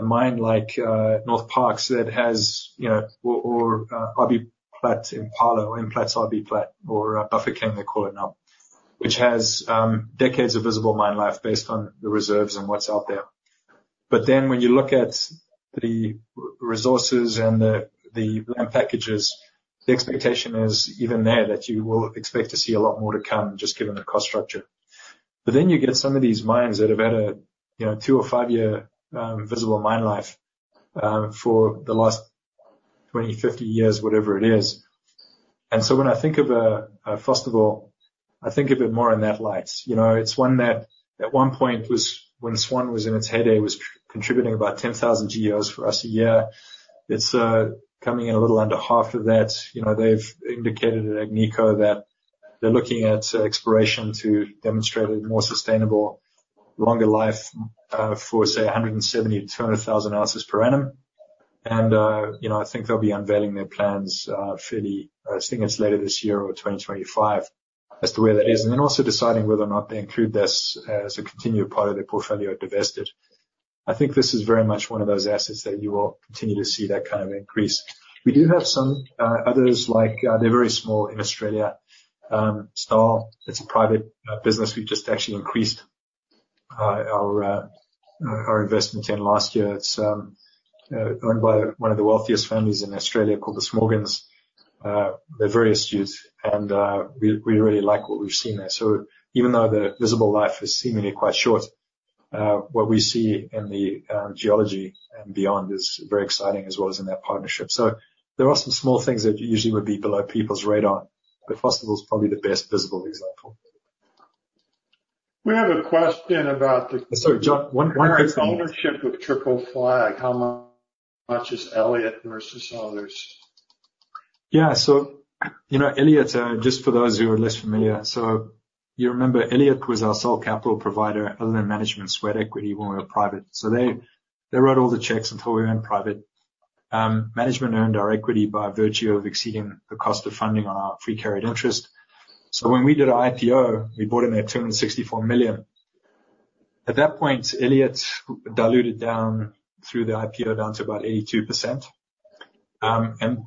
B: mine like Northparkes that has, you know, or RBPlat, Impala, or Implats RBPlat, or Bafokeng, they call it now, which has decades of visible mine life based on the reserves and what's out there. But then when you look at the resources and the land packages, the expectation is even there, that you will expect to see a lot more to come, just given the cost structure. But then you get some of these mines that have had a, you know, 2- or 5-year visible mine life for the last 20, 50 years, whatever it is. And so when I think of Fosterville, I think of it more in that light. You know, it's one that at one point was, when Swan was in its heyday, was contributing about 10,000 GEOs for us a year. It's coming in a little under half of that. You know, they've indicated at Agnico that they're looking at exploration to demonstrate a more sustainable, longer life for, say, 170,000-200,000 ounces per annum. And, you know, I think they'll be unveiling their plans fairly, I think it's later this year or 2025.... As to where that is, and then also deciding whether or not they include this as a continued part of their portfolio or divested. I think this is very much one of those assets that you will continue to see that kind of increase. We do have some others like, they're very small in Australia, Stawell. It's a private business. We've just actually increased our investment in last year. It's owned by one of the wealthiest families in Australia called the Smorgons. They're very astute, and we really like what we've seen there. So even though the visible life is seemingly quite short, what we see in the geology and beyond is very exciting, as well as in that partnership. There are some small things that usually would be below people's radar, but Fosterville is probably the best visible example.
A: We have a question about the-
B: Sorry, John, one quick thing.
A: Ownership with Triple Flag. How much is Elliott versus others?
B: Yeah, so, you know, Elliott, just for those who are less familiar, so you remember, Elliott was our sole capital provider other than management sweat equity when we were private. So they, they wrote all the checks until we went private. Management earned our equity by virtue of exceeding the cost of funding on our free carried interest. So when we did our IPO, we brought in that $264 million. At that point, Elliott diluted down through the IPO down to about 82%. And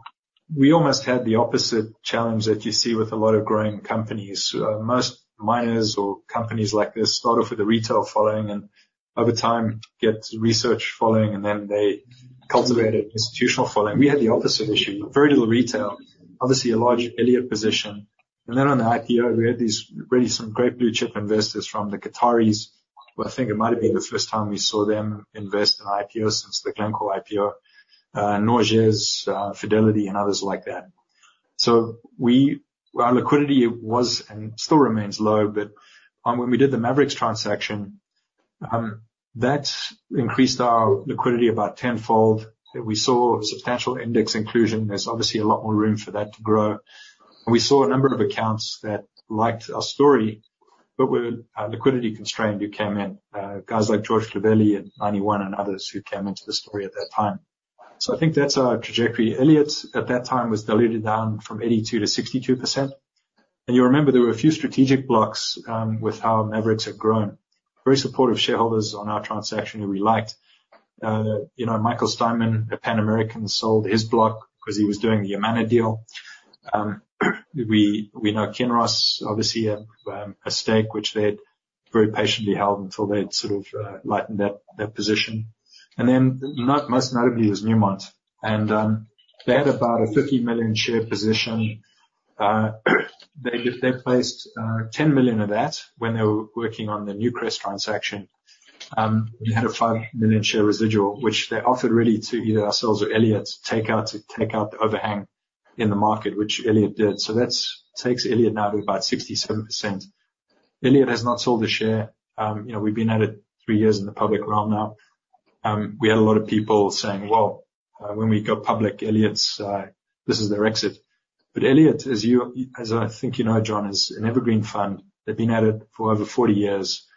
B: we almost had the opposite challenge that you see with a lot of growing companies. Most miners or companies like this start off with a retail following, and over time, get research following, and then they cultivate an institutional following. We had the opposite issue, very little retail, obviously a large Elliott position. Then on the IPO, we had these really some great blue chip investors from the Qataris, who I think it might have been the first time we saw them invest in IPO since the Glencore IPO, Norges, Fidelity and others like that. So our liquidity was, and still remains low, but when we did the Maverix transaction, that increased our liquidity about tenfold. We saw substantial index inclusion. There's obviously a lot more room for that to grow. We saw a number of accounts that liked our story, but were liquidity-constrained, who came in. Guys like George Cheveley and Ninety One and others who came into the story at that time. So I think that's our trajectory. Elliott, at that time, was diluted down from 82%-62%. And you remember there were a few strategic blocks with how Maverix had grown. Very supportive shareholders on our transaction, who we liked. You know, Michael Steinmann at Pan American sold his block because he was doing the Yamana deal. We know Kinross, obviously a stake which they'd very patiently held until they'd sort of lightened that position. And then most notably was Newmont, and they had about a 50 million share position. They placed 10 million of that when they were working on the Newcrest transaction. We had a 5 million share residual, which they offered really to either ourselves or Elliott to take out the overhang in the market, which Elliott did. So that takes Elliott now to about 67%. Elliott has not sold a share. You know, we've been at it 3 years in the public realm now. We had a lot of people saying, "Well, when we go public, Elliott's, this is their exit." But Elliott, as you, I think you know, John, is an evergreen fund. They've been at it for over 40 years.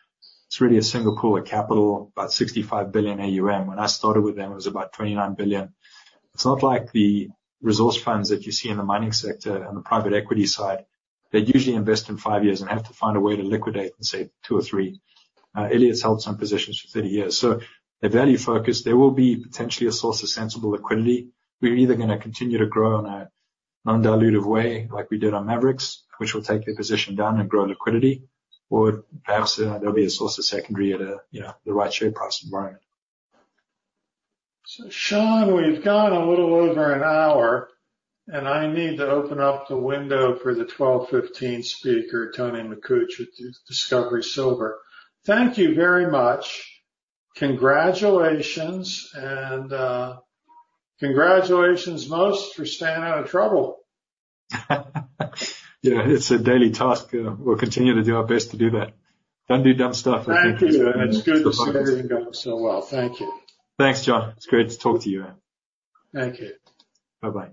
B: It's really a single pool of capital, about $65 billion AUM. When I started with them, it was about $29 billion. It's not like the resource funds that you see in the mining sector on the private equity side. They usually invest in 5 years and have to find a way to liquidate in, say, 2 or 3. Elliott's held some positions for 30 years, so they're value-focused. There will be potentially a source of sensible liquidity. We're either gonna continue to grow in a non-dilutive way, like we did on Maverix, which will take their position down and grow liquidity, or perhaps there'll be a source of secondary at, you know, the right share price environment.
A: So, Shaun, we've gone a little over an hour, and I need to open up the window for the 12:15 speaker, Tony Makuch, with Discovery Silver. Thank you very much. Congratulations, and, congratulations most for staying out of trouble.
B: Yeah, it's a daily task. We'll continue to do our best to do that. Don't do dumb stuff-
A: Thank you. It's good to see everything going so well. Thank you.
B: Thanks, John. It's great to talk to you.
A: Thank you.
B: Bye-bye.